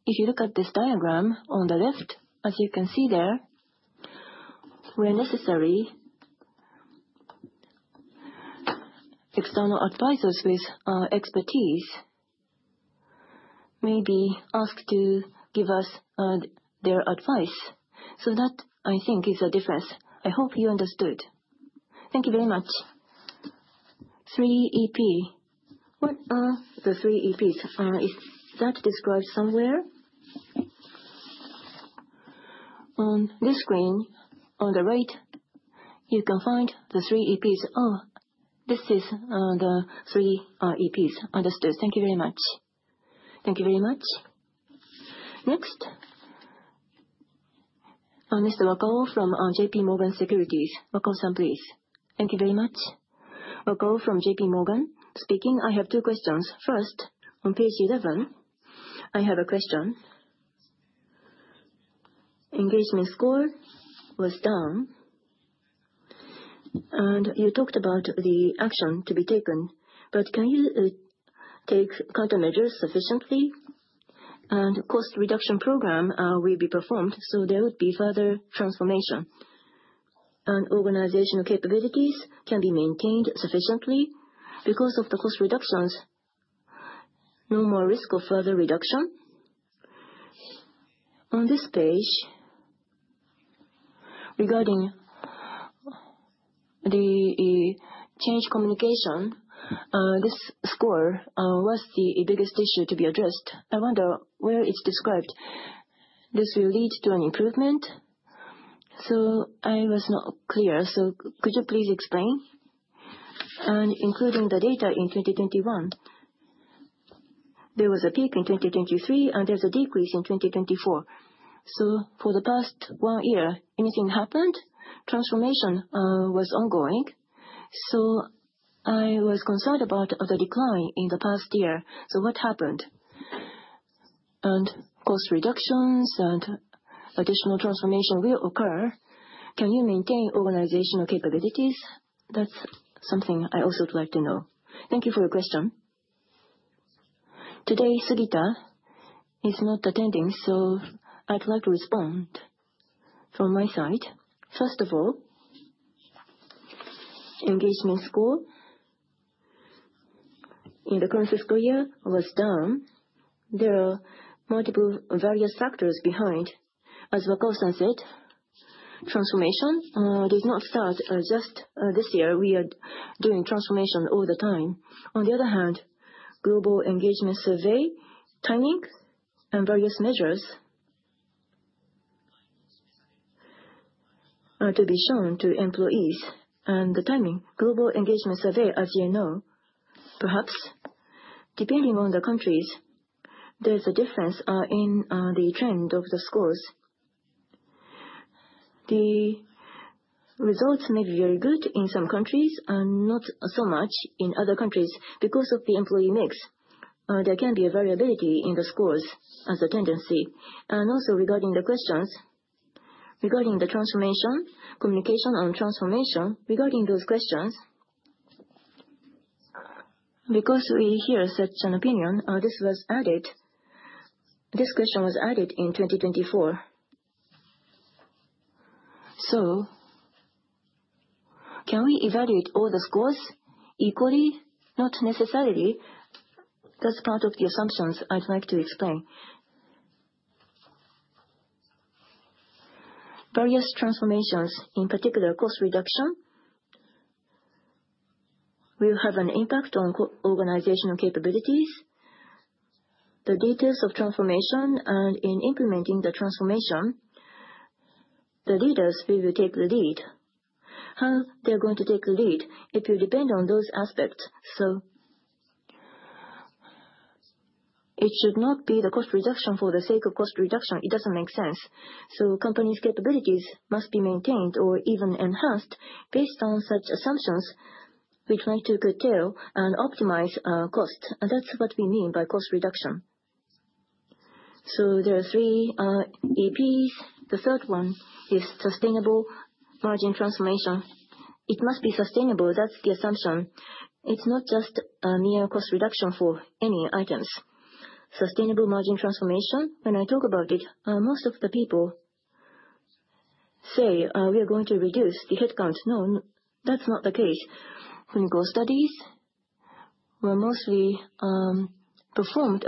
if you look at this diagram on the left, as you can see there, where necessary, external advisors with expertise may be asked to give us their advice. That, I think, is the difference. I hope you understood. Thank you very much. Three EP. What are the three EPs? Is that described somewhere? On this screen, on the right, you can find the three EPs are. This is the 3EPs. Understood. Thank you very much. Thank you very much. Next, Mr. Wakao from J.P. Morgan Securities. Wakao-san, please. Thank you very much. Wakao from J.P. Morgan speaking. I have two questions. First, on page 11, I have a question. Engagement score was down, and you talked about the action to be taken. Can you take countermeasures sufficiently? Cost reduction program will be performed, so there would be further transformation. Organizational capabilities can be maintained sufficiently because of the cost reductions, no more risk of further reduction? On this page, regarding the change communication, this score, what's the biggest issue to be addressed? I wonder where it's described. This will lead to an improvement? I was not clear, so could you please explain? Including the data in 2021. There was a peak in 2023, and there's a decrease in 2024. For the past one year, anything happened? Transformation was ongoing. I was concerned about the decline in the past year. What happened? Cost reductions and additional transformation will occur. Can you maintain organizational capabilities? That's something I also would like to know. Thank you for your question. Today, Sugita is not attending, so I'd like to respond from my side. First of all, engagement score in the current fiscal year was down. There are multiple various factors behind, as Wakao-san said, transformation did not start just this year. We are doing transformation all the time. On the other hand, global engagement survey timing and various measures are to be shown to employees. The timing, global engagement survey, as you know, perhaps depending on the countries, there's a difference in the trend of the scores. The results may be very good in some countries and not so much in other countries because of the employee mix. There can be a variability in the scores as a tendency. Also regarding the questions, regarding the transformation, communication and transformation, regarding those questions, because we hear such an opinion, this question was added in 2024. Can we evaluate all the scores equally? Not necessarily. That's part of the assumptions I'd like to explain. Various transformations, in particular cost reduction, will have an impact on organizational capabilities, the data of transformation, and in implementing the transformation, the leaders will take the lead. How they're going to take the lead, it will depend on those aspects. It should not be the cost reduction for the sake of cost reduction. It doesn't make sense. Company's capabilities must be maintained or even enhanced based on such assumptions. We'd like to curtail and optimize cost. That's what we mean by cost reduction. There are 3EPs. The third one is Sustainable Margin Transformation. It must be sustainable, that's the assumption. It's not just a mere cost reduction for any items. Sustainable Margin Transformation, when I talk about it, most of the people say, "We are going to reduce the headcount." No, that's not the case. Clinical studies were mostly performed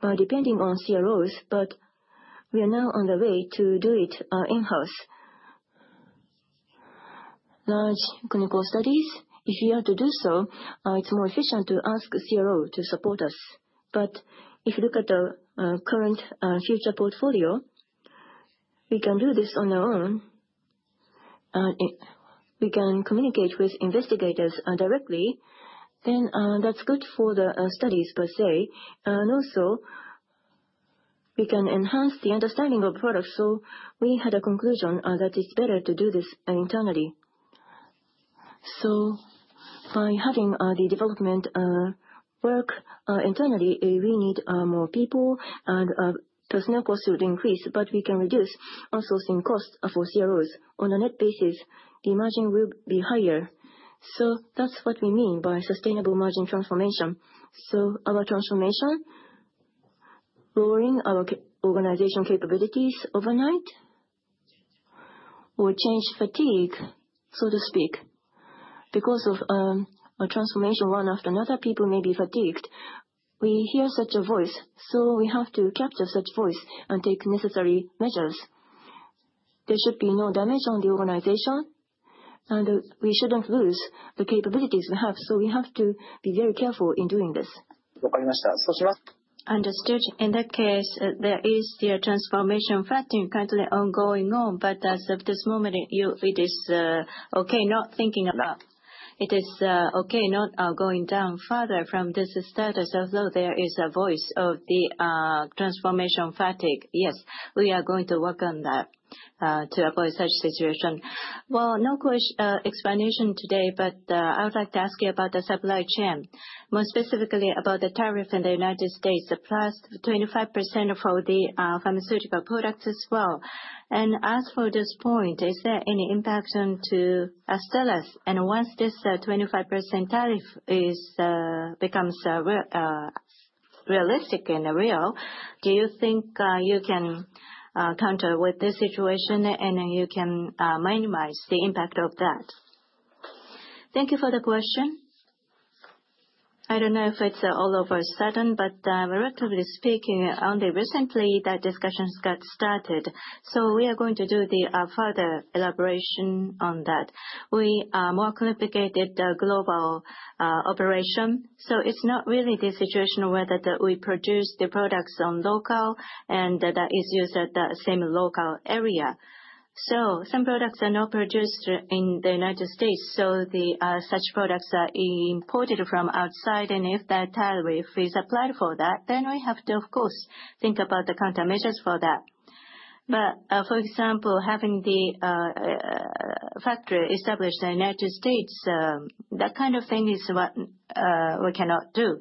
by depending on CROs, but we are now on the way to do it in-house. Large clinical studies. If you are to do so, it's more efficient to ask CRO to support us. If you look at the current future portfolio, we can do this on our own. We can communicate with investigators directly, then that's good for the studies per se. Also, we can enhance the understanding of the product. We had a conclusion that it's better to do this internally. By having the development work internally, we need more people and personnel costs will increase, but we can reduce outsourcing costs for CROs. On a net basis, the margin will be higher. That's what we mean by Sustainable Margin Transformation. Our transformation, lowering our organization capabilities overnight or change fatigue, so to speak. Because of a transformation, one after another, people may be fatigued. We hear such a voice, so we have to capture such voice and take necessary measures. There should be no damage on the organization, and we shouldn't lose the capabilities we have, so we have to be very careful in doing this. Understood. In that case, there is the transformation fatigue currently ongoing, but as of this moment, it is okay not thinking about. It is okay not going down further from this status, although there is a voice of the transformation fatigue. Yes. We are going to work on that to avoid such situation. Well, no explanation today, but I would like to ask you about the supply chain, more specifically about the tariff in the U.S., the +25% for the pharmaceutical products as well. As for this point, is any impact onto Astellas? Once this 25% tariff becomes realistic and real, do you think you can counter with this situation and you can minimize the impact of that? Thank you for the question. I don't know if it's all of a sudden, but relatively speaking, only recently that discussions got started. We are going to do the further elaboration on that. We are more complicated global operation, it's not really the situation whether that we produce the products on local and that is used at the same local area. Some products are not produced in the U.S., such products are imported from outside, and if that tariff is applied for that, we have to, of course, think about the countermeasures for that. For example, having the factory established in the U.S., that kind of thing is what we cannot do.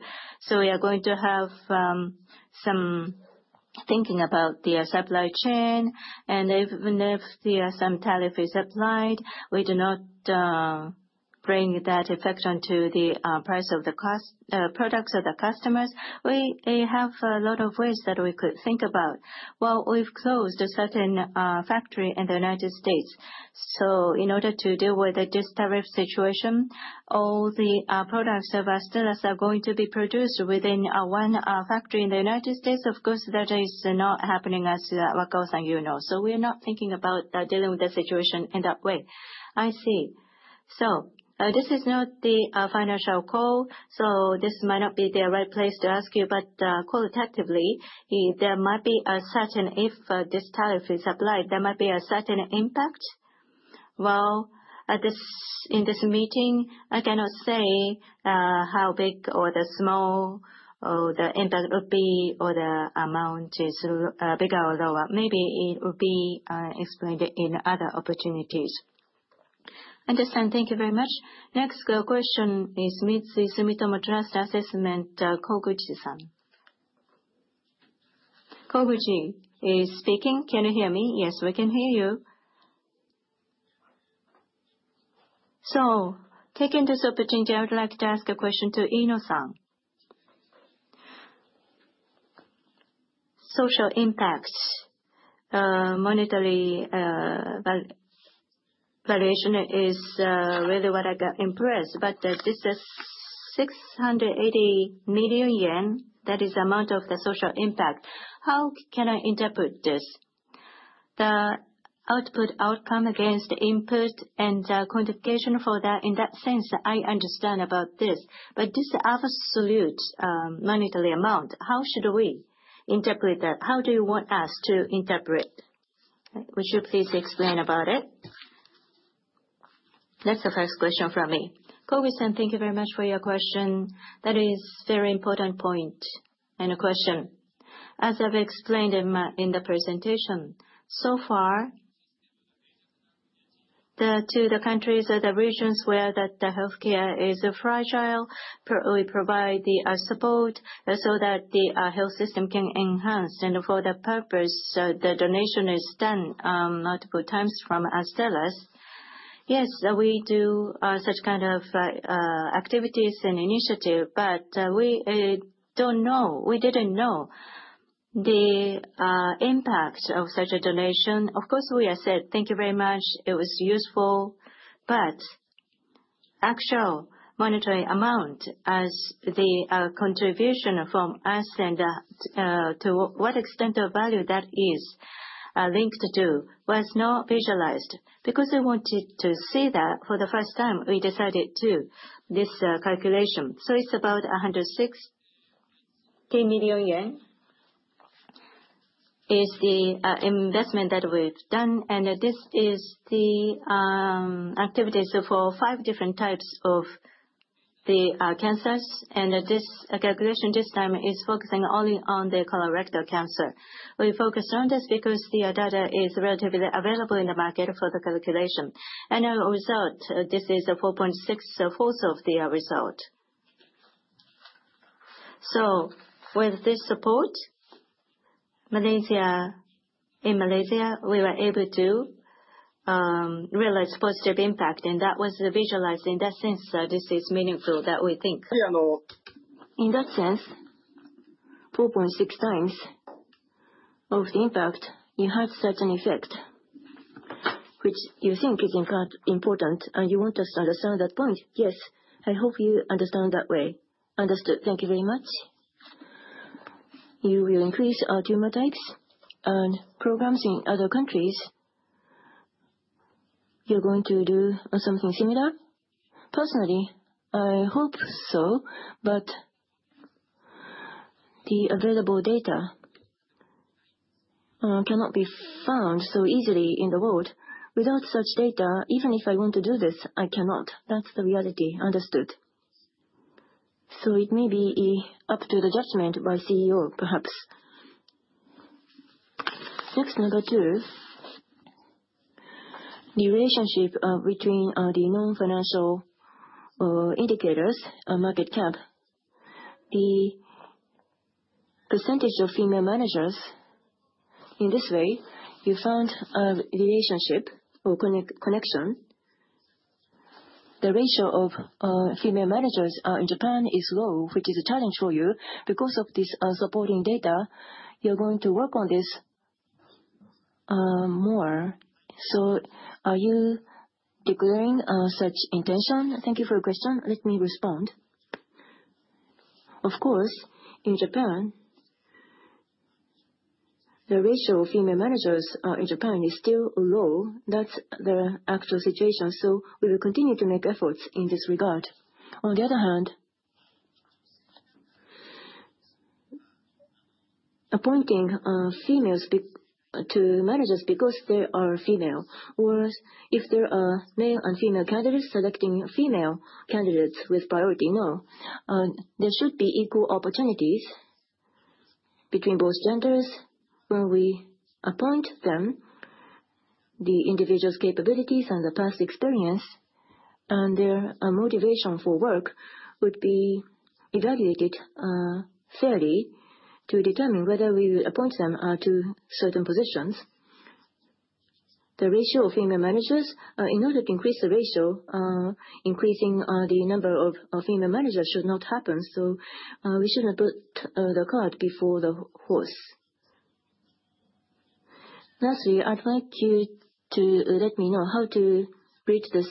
We are going to have some thinking about the supply chain, and even if some tariff is applied, we do not bring that effect onto the price of the products of the customers. We have a lot of ways that we could think about. Well, we've closed a certain factory in the U.S. In order to deal with this tariff situation, all the products of Astellas are going to be produced within one factory in the U.S. Of course, that is not happening as, Wakao-san, you know. We are not thinking about dealing with the situation in that way. I see. This is not the financial call, this might not be the right place to ask you, but qualitatively, if this tariff is applied, there might be a certain impact? Well, in this meeting, I cannot say how big or small the impact would be, or the amount is bigger or lower. Maybe it would be explained in other opportunities. Understood. Thank you very much. Next question is Sumitomo Mitsui Trust Asset Management, Koguchi-san. Koguchi is speaking. Can you hear me? Yes, we can hear you. Taking this opportunity, I would like to ask a question to Ino-san. Social impacts. Monetary valuation is really what I got impressed, but this 680 million yen, that is amount of the social impact. How can I interpret this? The output outcome against input and quantification for that, in that sense, I understand about this. But this absolute monetary amount, how should we interpret that? How do you want us to interpret? Would you please explain about it? That's the first question from me. Koguchi-san, thank you very much for your question. That is very important point and question. As I've explained in the presentation, so far, to the countries or the regions where the healthcare is fragile, we provide the support so that the health system can enhance. For that purpose, the donation is done multiple times from Astellas. Yes, we do such kind of activities and initiative, we didn't know the impact of such a donation. Of course, we are said, "Thank you very much. It was useful." Actual monetary amount as the contribution from us and to what extent of value that is linked to was not visualized. We wanted to see that for the first time, we decided to do this calculation. It's about 160 million yen, is the investment that we've done. This is the activities for 5 different types of the cancers. This calculation this time is focusing only on the colorectal cancer. We focused on this because the data is relatively available in the market for the calculation. Our result, this is a 4.64 of the result. With this support, in Malaysia, we were able to realize positive impact, and that was visualized. In that sense, this is meaningful that we think. In that sense, 4.6 times of the impact, you have certain effect, which you think is important, and you want us to understand that point. Yes. I hope you understand that way. Understood. Thank you very much. You will increase tumor types and programs in other countries. You're going to do something similar? The available data cannot be found so easily in the world. Without such data, even if I want to do this, I cannot. That's the reality. Understood. It may be up to the judgment by CEO, perhaps. Next, number 2, the relationship between the non-financial indicators or market cap. The percentage of female managers. In this way, you found a relationship or connection. The ratio of female managers in Japan is low, which is a challenge for you. Because of this supporting data, you're going to work on this more. Are you declaring such intention? Thank you for your question. Let me respond. Of course, the ratio of female managers in Japan is still low. That's the actual situation. We will continue to make efforts in this regard. On the other hand, appointing females to managers because they are female, or if there are male and female candidates, selecting female candidates with priority. No. There should be equal opportunities between both genders when we appoint them. The individual's capabilities and the past experience and their motivation for work would be evaluated fairly to determine whether we will appoint them to certain positions. The ratio of female managers, in order to increase the ratio, increasing the number of female managers should not happen. We shouldn't have put the cart before the horse. Lastly, I'd like you to let me know how to read this.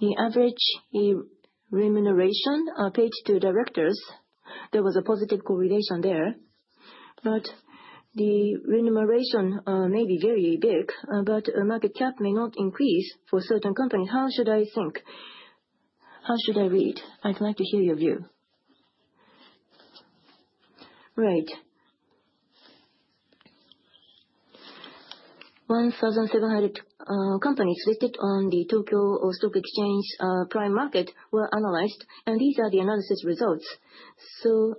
The average remuneration paid to directors, there was a positive correlation there. The remuneration may be very big, but market cap may not increase for certain company. How should I think? How should I read? I'd like to hear your view. Right. 1,700 companies listed on the Tokyo Stock Exchange Prime Market were analyzed, these are the analysis results.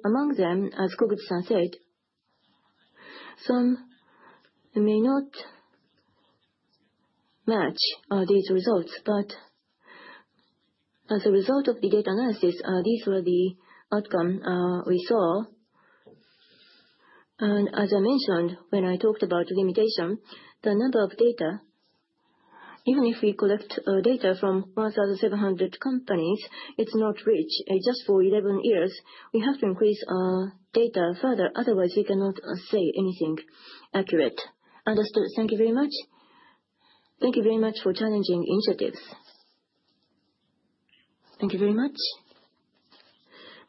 Among them, as Shinichi-san said, some may not match these results. As a result of the data analysis, these were the outcome we saw. As I mentioned when I talked about limitation, the number of data, even if we collect data from 1,700 companies, it's not rich. Just for 11 years. We have to increase our data further, otherwise we cannot say anything accurate. Understood. Thank you very much. Thank you very much for challenging initiatives. Thank you very much.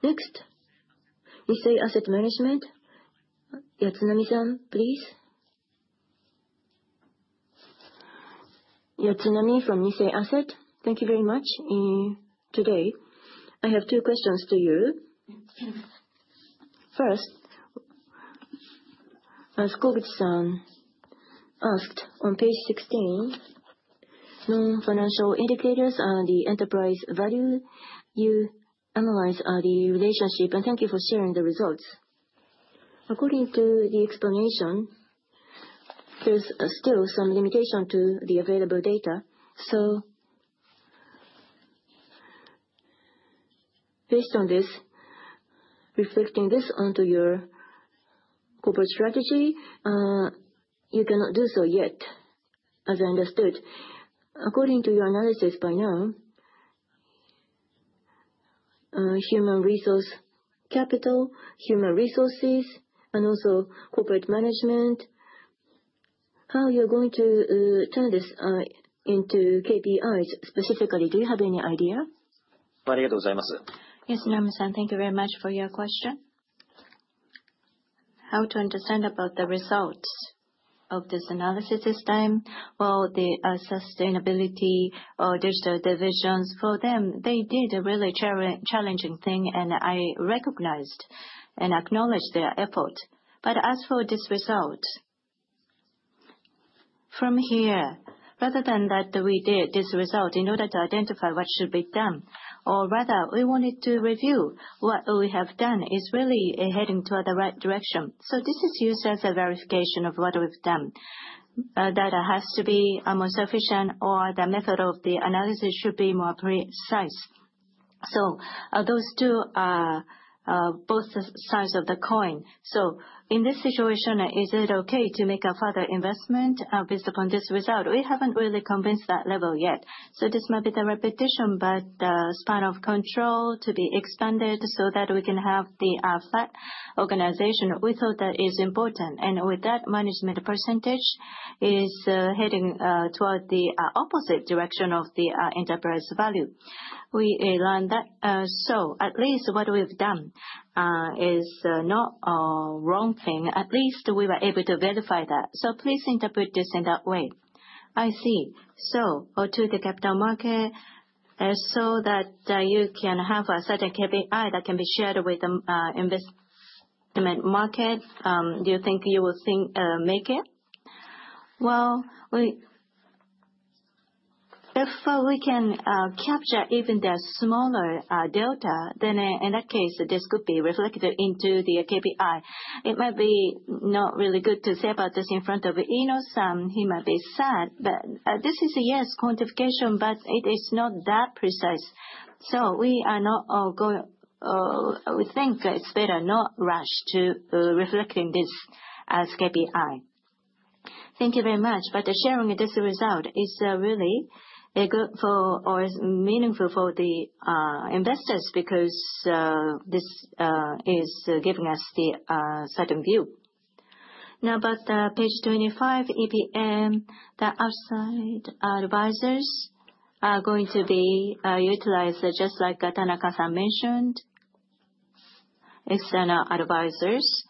Next, Nissay Asset Management. Junko-san, please. Junko from Nissay Asset. Thank you very much. Today, I have two questions to you. First, as Shinichi-san asked on page 16, non-financial indicators and the enterprise value, you analyze the relationship, and thank you for sharing the results. According to the explanation, there is still some limitation to the available data. Based on this, reflecting this onto your corporate strategy, you cannot do so yet, as I understood. According to your analysis by now Human resource capital, human resources, and also corporate management. How you are going to turn this into KPIs specifically, do you have any idea? Yes, Nomura-san, thank you very much for your question. How to understand about the results of this analysis this time? Well, the sustainability or digital divisions, for them, they did a really challenging thing, and I recognized and acknowledge their effort. As for this result, from here, rather than that we did this result in order to identify what should be done, or rather we wanted to review what we have done is really heading toward the right direction. This is used as a verification of what we have done. Data has to be more sufficient or the method of the analysis should be more precise. Those two are both sides of the coin. In this situation, is it okay to make a further investment based upon this result? We haven't really convinced that level yet. This might be the repetition, but the span of control to be expanded so that we can have the flat organization, we thought that is important. With that, management percentage is heading toward the opposite direction of the enterprise value. We learned that. At least what we have done is not a wrong thing. At least we were able to verify that. Please interpret this in that way. I see. To the capital market, so that you can have a certain KPI that can be shared with the investment market, do you think you will make it? Well, if we can capture even the smaller delta, in that case, this could be reflected into the KPI. It might be not really good to say about this in front of Ino-san. He might be sad, but this is, yes, quantification, but it is not that precise. We think it is better not rush to reflecting this as KPI. Thank you very much. Sharing this result is really good for, or is meaningful for the investors because this is giving us the certain view. About page 25, EPM, the outside directors are going to be utilized just like Tanaka-san mentioned, external advisors.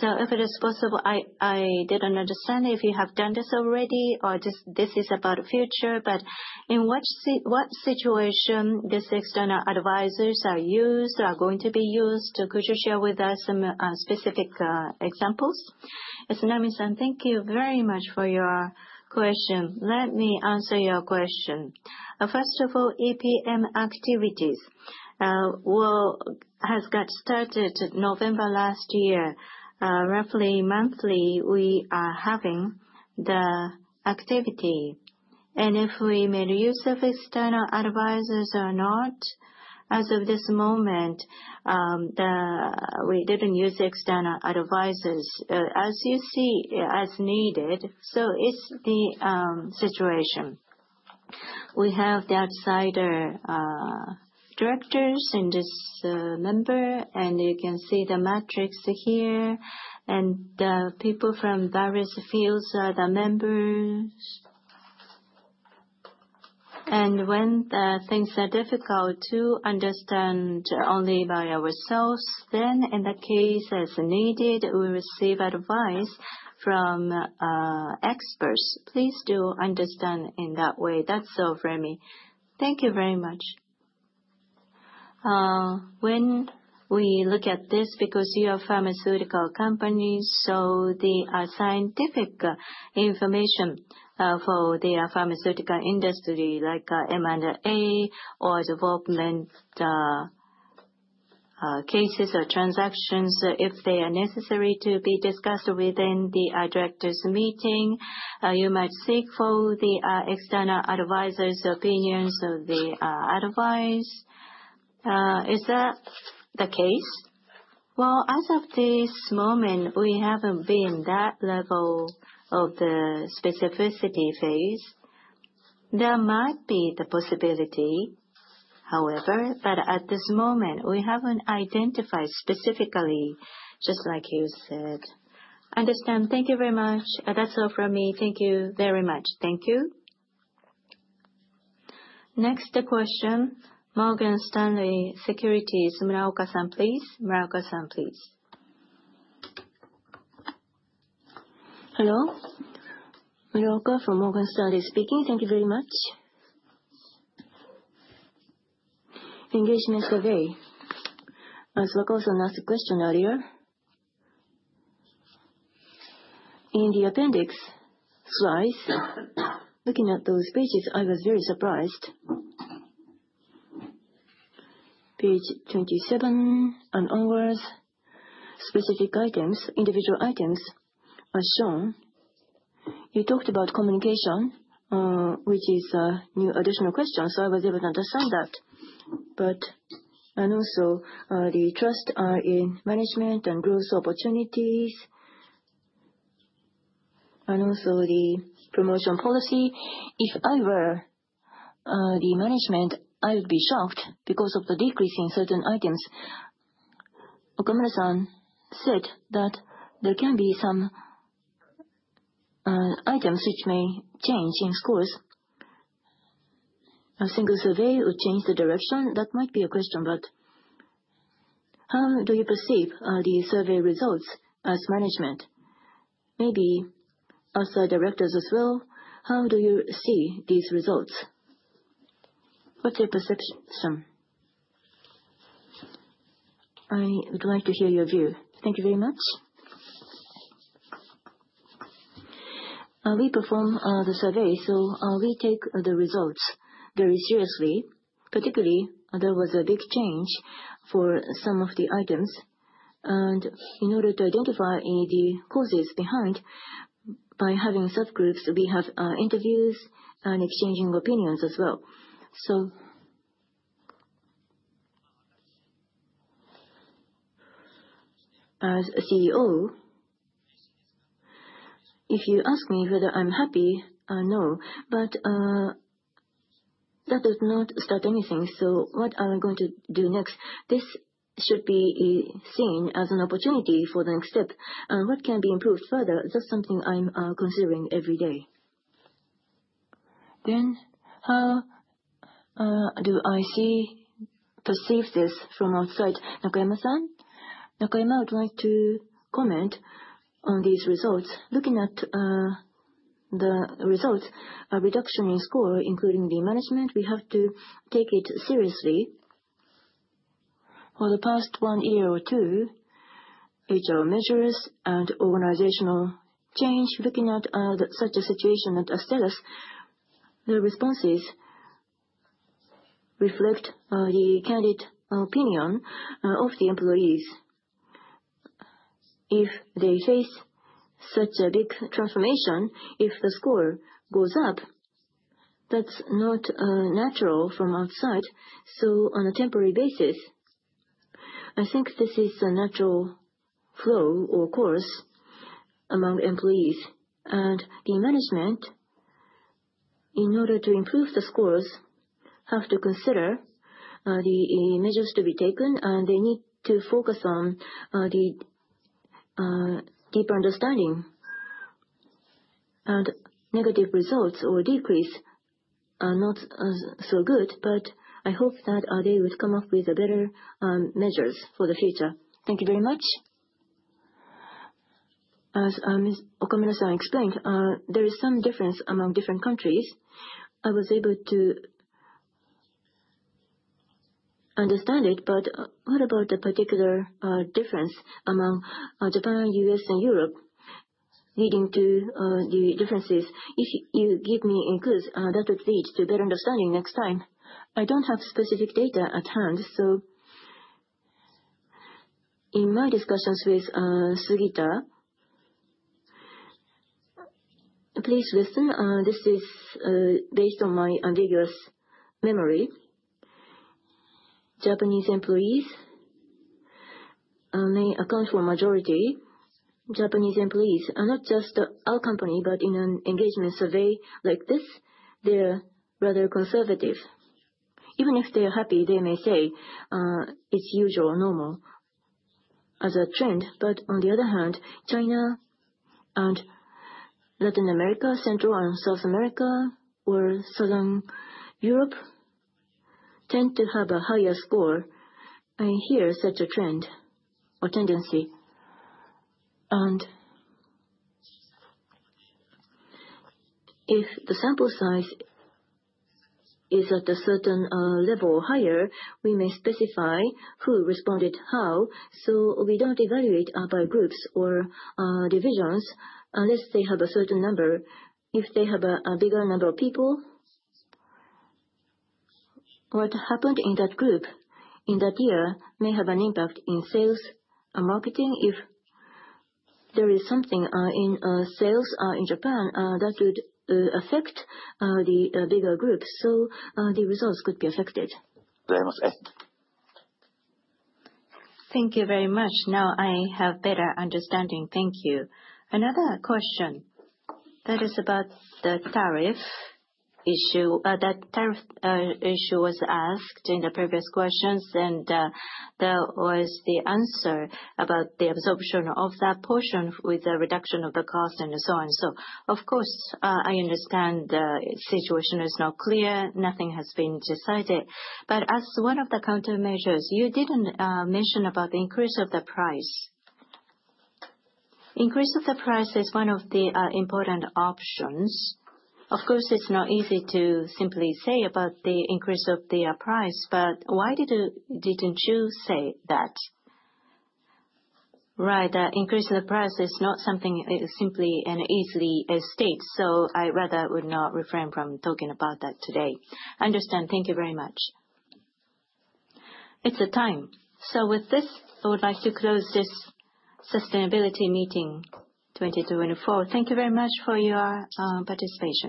If it is possible, I didn't understand if you have done this already or this is about future, but in what situation these external advisors are used, are going to be used? Could you share with us some specific examples? Nomura-san, thank you very much for your question. Let me answer your question. First of all, EPM activities has got started November last year. Roughly monthly, we are having the activity. If we made use of external advisors or not, as of this moment, we didn't use external advisors. As you see, as needed. It is the situation. We have the outside directors in this member, and you can see the metrics here, and the people from various fields are the members. When the things are difficult to understand only by ourselves, in that case, as needed, we receive advice from experts. Please do understand in that way. That is all from me. Thank you very much. When we look at this, because you are a pharmaceutical company, so the scientific information for the pharmaceutical industry like M&A or development cases or transactions, if they are necessary to be discussed within the directors' meeting, you might seek for the external advisors' opinions or the advice. Is that the case? As of this moment, we haven't been that level of the specificity phase. There might be the possibility, however, but at this moment, we haven't identified specifically, just like you said. Understand. That is all from me. Thank you very much. Thank you. Next question, Morgan Stanley Securities, Muraoka-san, please. Muraoka-san, please. Hello. Muraoka from Morgan Stanley speaking. Thank you very much. Engagement survey. As Wakosu-san asked a question earlier, in the appendix slides, looking at those pages, I was very surprised. Page 27 and onwards, specific items, individual items are shown. You talked about communication, which is a new additional question, so I was able to understand that. Also, the trust in management and growth opportunities The promotion policy. If I were the management, I would be shocked because of the decrease in certain items. Okamura-san said that there can be some items which may change in scores. A single survey would change the direction. That might be a question, but how do you perceive the survey results as management? Maybe also directors as well, how do you see these results? What's your perception? I would like to hear your view. Thank you very much. We perform the survey, we take the results very seriously. Particularly, there was a big change for some of the items, in order to identify the causes behind, by having subgroups, we have interviews and exchanging opinions as well. As CEO, if you ask me whether I'm happy, no. That does not start anything. What I'm going to do next, this should be seen as an opportunity for the next step. What can be improved further? That's something I'm considering every day. How do I perceive this from outside? Nakayama-san? Nakayama would like to comment on these results. Looking at the results, a reduction in score, including the management, we have to take it seriously. For the past one year or two, HR measures and organizational change, looking at such a situation at Astellas, the responses reflect the candid opinion of the employees. If they face such a big transformation, if the score goes up, that's not natural from outside. On a temporary basis, I think this is a natural flow or course among employees. The management, in order to improve the scores, have to consider the measures to be taken, they need to focus on the deep understanding. Negative results or decrease are not so good, I hope that they would come up with better measures for the future. Thank you very much. As Ms. Okamura-san explained, there is some difference among different countries. I was able to understand it, but what about the particular difference among Japan, U.S., and Europe leading to the differences? If you give me a clue, that would lead to better understanding next time. I don't have specific data at hand. In my discussions with Sugita, please listen, this is based on my ambiguous memory. Japanese employees may account for a majority. Japanese employees are not just our company, but in an engagement survey like this, they're rather conservative. Even if they are happy, they may say, "It's usual or normal as a trend." On the other hand, China and Latin America, Central and South America, or Southern Europe tend to have a higher score. I hear such a trend or tendency. If the sample size is at a certain level or higher, we may specify who responded how. We don't evaluate by groups or divisions unless they have a certain number. If they have a bigger number of people, what happened in that group in that year may have an impact in sales or marketing. If there is something in sales in Japan, that would affect the bigger group, the results could be affected. Thank you very much. Now I have better understanding. Thank you. Another question that is about the tariff issue. That tariff issue was asked in the previous questions, there was the answer about the absorption of that portion with the reduction of the cost and so on. Of course, I understand the situation is not clear, nothing has been decided. As one of the countermeasures, you didn't mention about the increase of the price. Increase of the price is one of the important options. Of course, it's not easy to simply say about the increase of the price, but why didn't you say that? Right. Increase of the price is not something simply and easily stated. I rather would not refrain from talking about that today. Understand. Thank you very much. It's the time. With this, I would like to close this Sustainability Meeting 2024. Thank you very much for your participation.